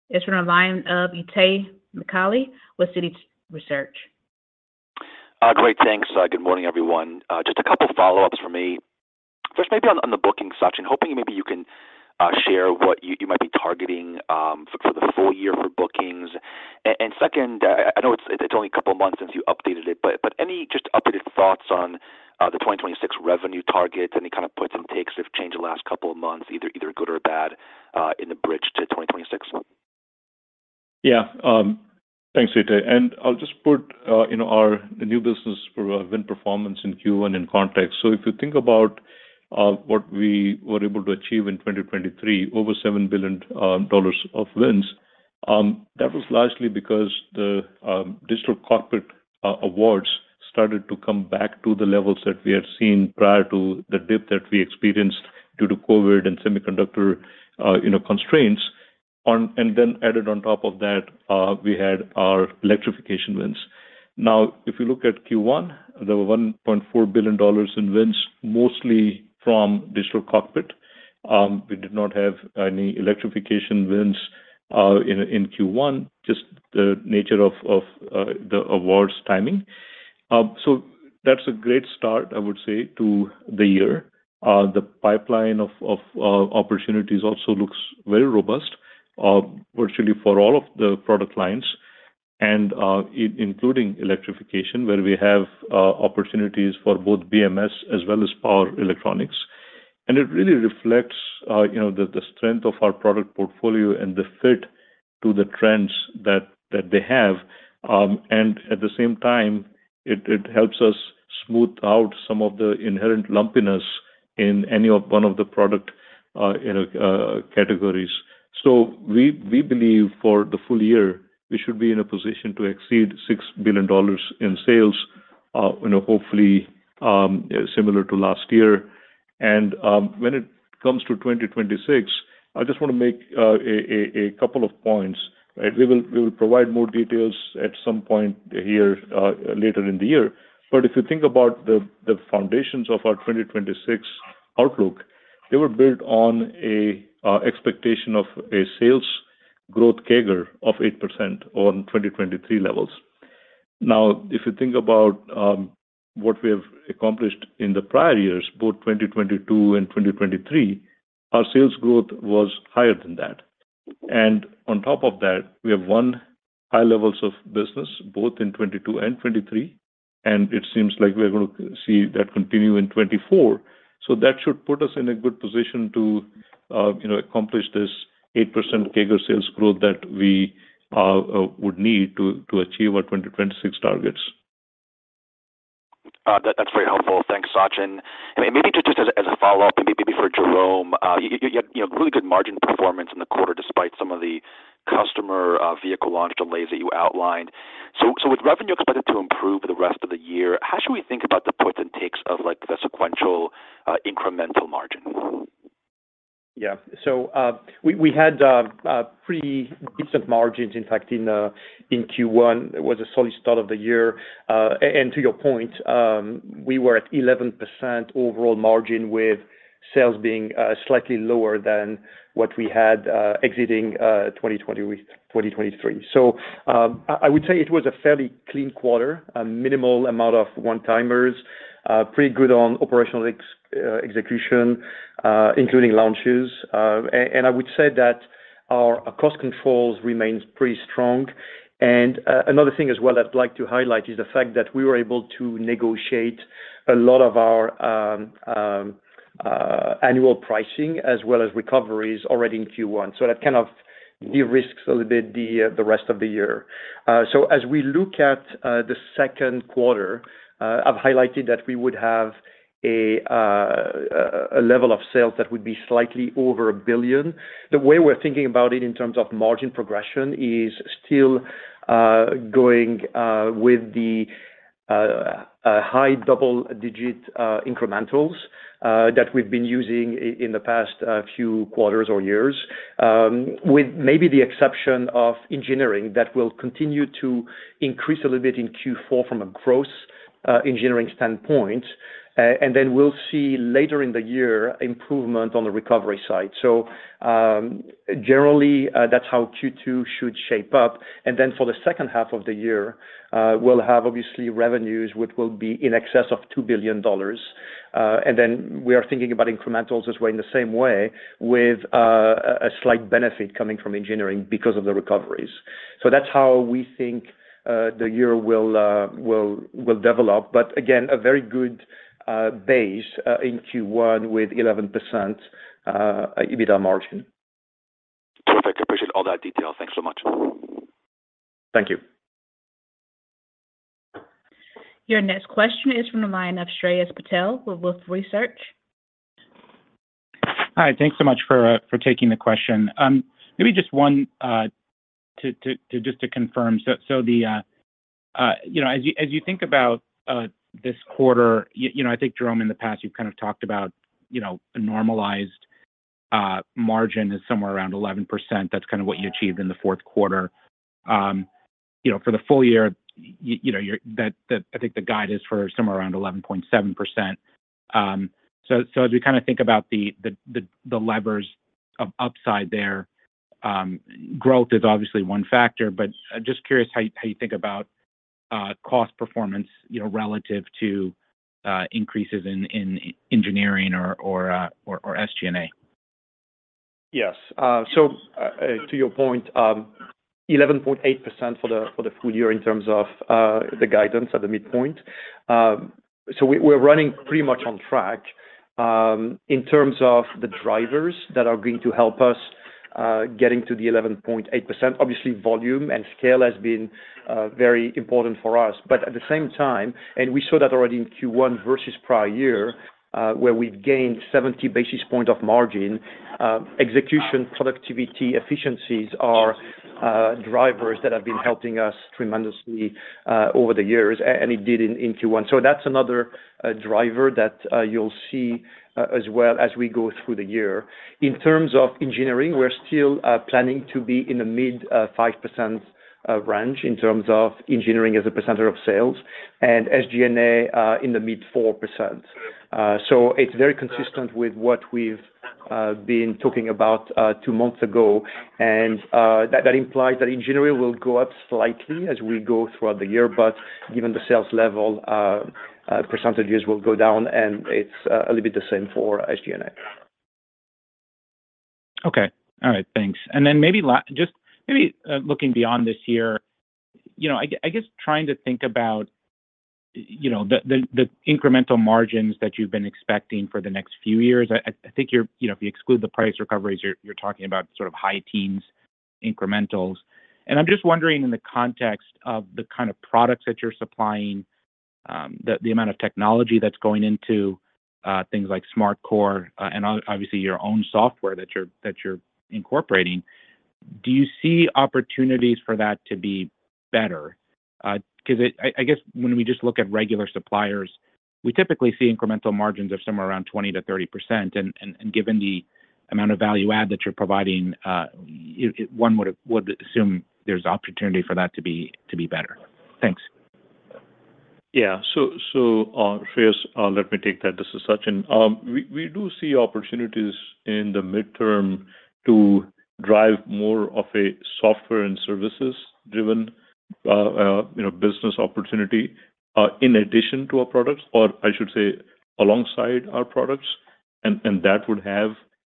is from the line of Itai Michaeli with Citi. Great. Thanks. Good morning, everyone. Just a couple of follow-ups for me. First, maybe on the booking, Sachin. Hoping maybe you can share what you might be targeting for the full year for bookings. And second, I know it's only a couple of months since you updated it, but any just updated thoughts on the 2026 revenue targets, any kind of puts and takes that have changed the last couple of months, either good or bad, in the bridge to 2026? Yeah. Thanks, Itai. I'll just put our new business win performance in Q1 in context. If you think about what we were able to achieve in 2023, over $7 billion of wins, that was largely because the digital cockpit awards started to come back to the levels that we had seen prior to the dip that we experienced due to COVID and semiconductor constraints. Then added on top of that, we had our electrification wins. Now, if you look at Q1, there were $1.4 billion in wins, mostly from digital cockpit. We did not have any electrification wins in Q1, just the nature of the awards timing. That's a great start, I would say, to the year. The pipeline of opportunities also looks very robust, virtually for all of the product lines, including electrification, where we have opportunities for both BMS as well as power electronics. It really reflects the strength of our product portfolio and the fit to the trends that they have. At the same time, it helps us smooth out some of the inherent lumpiness in any one of the product categories. We believe for the full year, we should be in a position to exceed $6 billion in sales, hopefully similar to last year. When it comes to 2026, I just want to make a couple of points, right? We will provide more details at some point here later in the year. If you think about the foundations of our 2026 outlook, they were built on an expectation of a sales growth CAGR of 8% on 2023 levels. Now, if you think about what we have accomplished in the prior years, both 2022 and 2023, our sales growth was higher than that. And on top of that, we have won high levels of business both in 2022 and 2023. And it seems like we're going to see that continue in 2024. So that should put us in a good position to accomplish this 8% organic sales growth that we would need to achieve our 2026 targets. That's very helpful. Thanks, Sachin. Maybe just as a follow-up, maybe for Jerome, you had really good margin performance in the quarter despite some of the customer vehicle launch delays that you outlined. With revenue expected to improve the rest of the year, how should we think about the puts and takes of the sequential incremental margin? Yeah. So we had pretty decent margins, in fact, in Q1. It was a solid start of the year. To your point, we were at 11% overall margin with sales being slightly lower than what we had exiting 2023. So I would say it was a fairly clean quarter, a minimal amount of one-timers, pretty good on operational execution, including launches. I would say that our cost controls remain pretty strong. Another thing as well I'd like to highlight is the fact that we were able to negotiate a lot of our annual pricing as well as recoveries already in Q1. So that kind of de-risked a little bit the rest of the year. So as we look at the second quarter, I've highlighted that we would have a level of sales that would be slightly over $1 billion. The way we're thinking about it in terms of margin progression is still going with the high double-digit incrementals that we've been using in the past few quarters or years, with maybe the exception of engineering that will continue to increase a little bit in Q4 from a gross engineering standpoint. Then we'll see later in the year improvement on the recovery side. Generally, that's how Q2 should shape up. Then for the second half of the year, we'll have obviously revenues which will be in excess of $2 billion. We are thinking about incrementals as well in the same way, with a slight benefit coming from engineering because of the recoveries. That's how we think the year will develop. But again, a very good base in Q1 with 11% EBITDA margin. Terrific. Appreciate all that detail. Thanks so much. Thank you. Your next question is from the line of Shreyas Patil with Wolfe Research. Hi. Thanks so much for taking the question. Maybe just one to confirm. So as you think about this quarter, I think, Jerome, in the past, you've kind of talked about a normalized margin is somewhere around 11%. That's kind of what you achieved in the fourth quarter. For the full year, I think the guide is for somewhere around 11.7%. So as we kind of think about the levers of upside there, growth is obviously one factor. But just curious how you think about cost performance relative to increases in engineering or SG&A. Yes. So to your point, 11.8% for the full year in terms of the guidance at the midpoint. So we're running pretty much on track. In terms of the drivers that are going to help us getting to the 11.8%, obviously, volume and scale has been very important for us. But at the same time and we saw that already in Q1 versus prior year, where we've gained 70 basis points of margin, execution, productivity, efficiencies are drivers that have been helping us tremendously over the years, and it did in Q1. So that's another driver that you'll see as well as we go through the year. In terms of engineering, we're still planning to be in the mid-5% range in terms of engineering as a percentage of sales and SG&A in the mid-4%. So it's very consistent with what we've been talking about two months ago. That implies that engineering will go up slightly as we go throughout the year. Given the sales level, percentages will go down. It's a little bit the same for SG&A. Okay. All right. Thanks. Then maybe just looking beyond this year, I guess trying to think about the incremental margins that you've been expecting for the next few years, I think if you exclude the price recoveries, you're talking about sort of high-teens incrementals. I'm just wondering in the context of the kind of products that you're supplying, the amount of technology that's going into things like SmartCore and obviously your own software that you're incorporating, do you see opportunities for that to be better? Because I guess when we just look at regular suppliers, we typically see incremental margins of somewhere around 20%-30%. Given the amount of value add that you're providing, one would assume there's opportunity for that to be better. Thanks. Yeah. So Shreyas, let me take that. This is Sachin. We do see opportunities in the midterm to drive more of a software and services-driven business opportunity in addition to our products, or I should say alongside our products. And that would have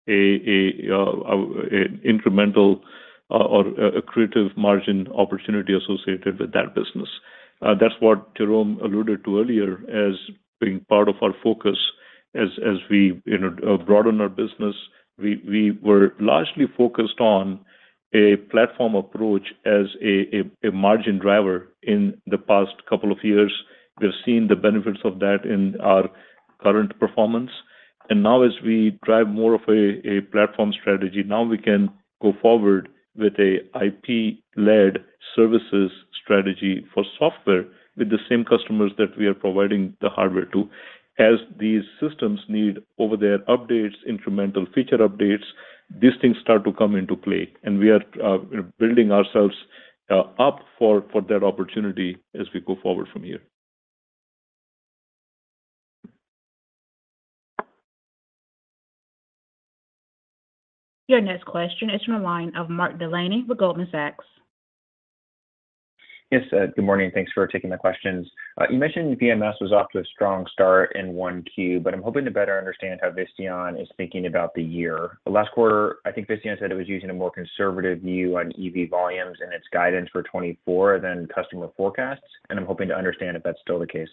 an incremental or accretive margin opportunity associated with that business. That's what Jerome alluded to earlier as being part of our focus as we broaden our business. We were largely focused on a platform approach as a margin driver in the past couple of years. We've seen the benefits of that in our current performance. And now as we drive more of a platform strategy, now we can go forward with an IP-led services strategy for software with the same customers that we are providing the hardware to. As these systems need over-the-air updates, incremental feature updates, these things start to come into play. We are building ourselves up for that opportunity as we go forward from here. Your next question is from the line of Mark Delaney with Goldman Sachs. Yes. Good morning. Thanks for taking the questions. You mentioned BMS was off to a strong start in 1Q, but I'm hoping to better understand how Visteon is thinking about the year. Last quarter, I think Visteon said it was using a more conservative view on EV volumes and its guidance for 2024 than customer forecasts. I'm hoping to understand if that's still the case.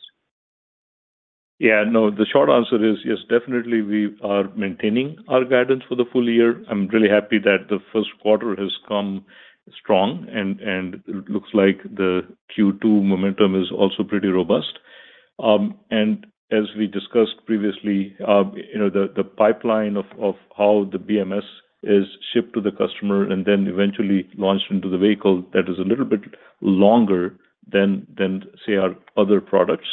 Yeah. No. The short answer is yes, definitely, we are maintaining our guidance for the full year. I'm really happy that the first quarter has come strong. And it looks like the Q2 momentum is also pretty robust. And as we discussed previously, the pipeline of how the BMS is shipped to the customer and then eventually launched into the vehicle, that is a little bit longer than, say, our other products.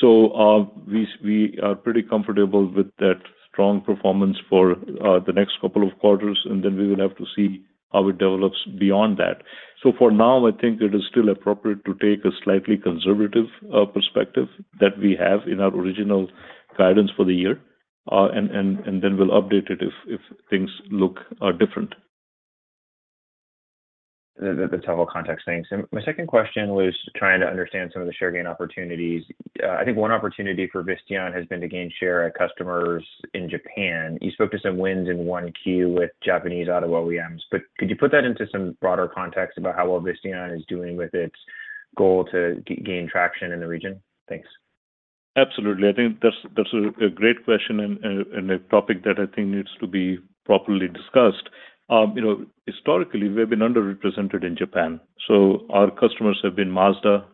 So we are pretty comfortable with that strong performance for the next couple of quarters. And then we will have to see how it develops beyond that. So for now, I think it is still appropriate to take a slightly conservative perspective that we have in our original guidance for the year. And then we'll update it if things look different. That's a total context thing. So my second question was trying to understand some of the share gain opportunities. I think one opportunity for Visteon has been to gain share at customers in Japan. You spoke to some wins in 1Q with Japanese auto OEMs. But could you put that into some broader context about how well Visteon is doing with its goal to gain traction in the region? Thanks. Absolutely. I think that's a great question and a topic that I think needs to be properly discussed. Historically, we have been underrepresented in Japan. So our customers have been Mazda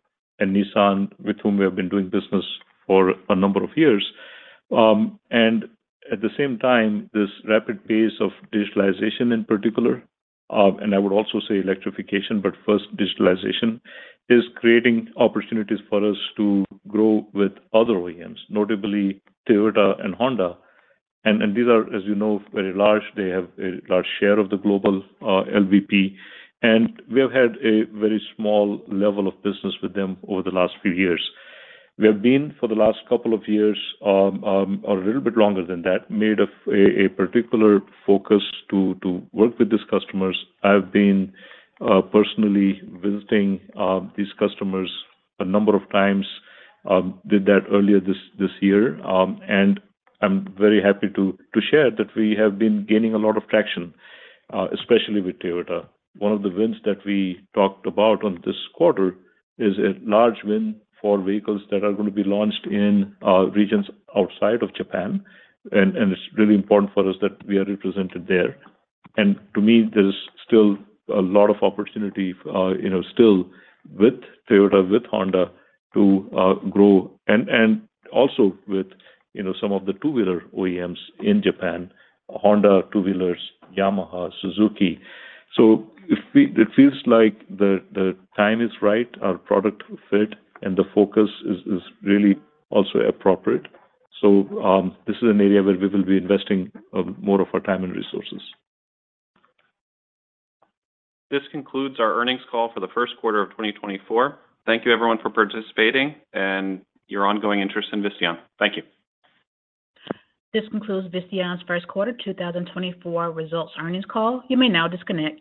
and Nissan, with whom we have been doing business for a number of years. And at the same time, this rapid pace of digitalization in particular, and I would also say electrification, but first digitalization, is creating opportunities for us to grow with other OEMs, notably Toyota and Honda. And these are, as you know, very large. They have a large share of the global LVP. And we have had a very small level of business with them over the last few years. We have been, for the last couple of years or a little bit longer than that, made a particular focus to work with these customers. I've been personally visiting these customers a number of times. Did that earlier this year. I'm very happy to share that we have been gaining a lot of traction, especially with Toyota. One of the wins that we talked about on this quarter is a large win for vehicles that are going to be launched in regions outside of Japan. It's really important for us that we are represented there. To me, there's still a lot of opportunity still with Toyota, with Honda to grow, and also with some of the two-wheeler OEMs in Japan, Honda two-wheelers, Yamaha, Suzuki. It feels like the time is right, our product fit, and the focus is really also appropriate. This is an area where we will be investing more of our time and resources. This concludes our earnings call for the first quarter of 2024. Thank you, everyone, for participating and your ongoing interest in Visteon. Thank you. This concludes Visteon's first quarter 2024 results earnings call. You may now disconnect.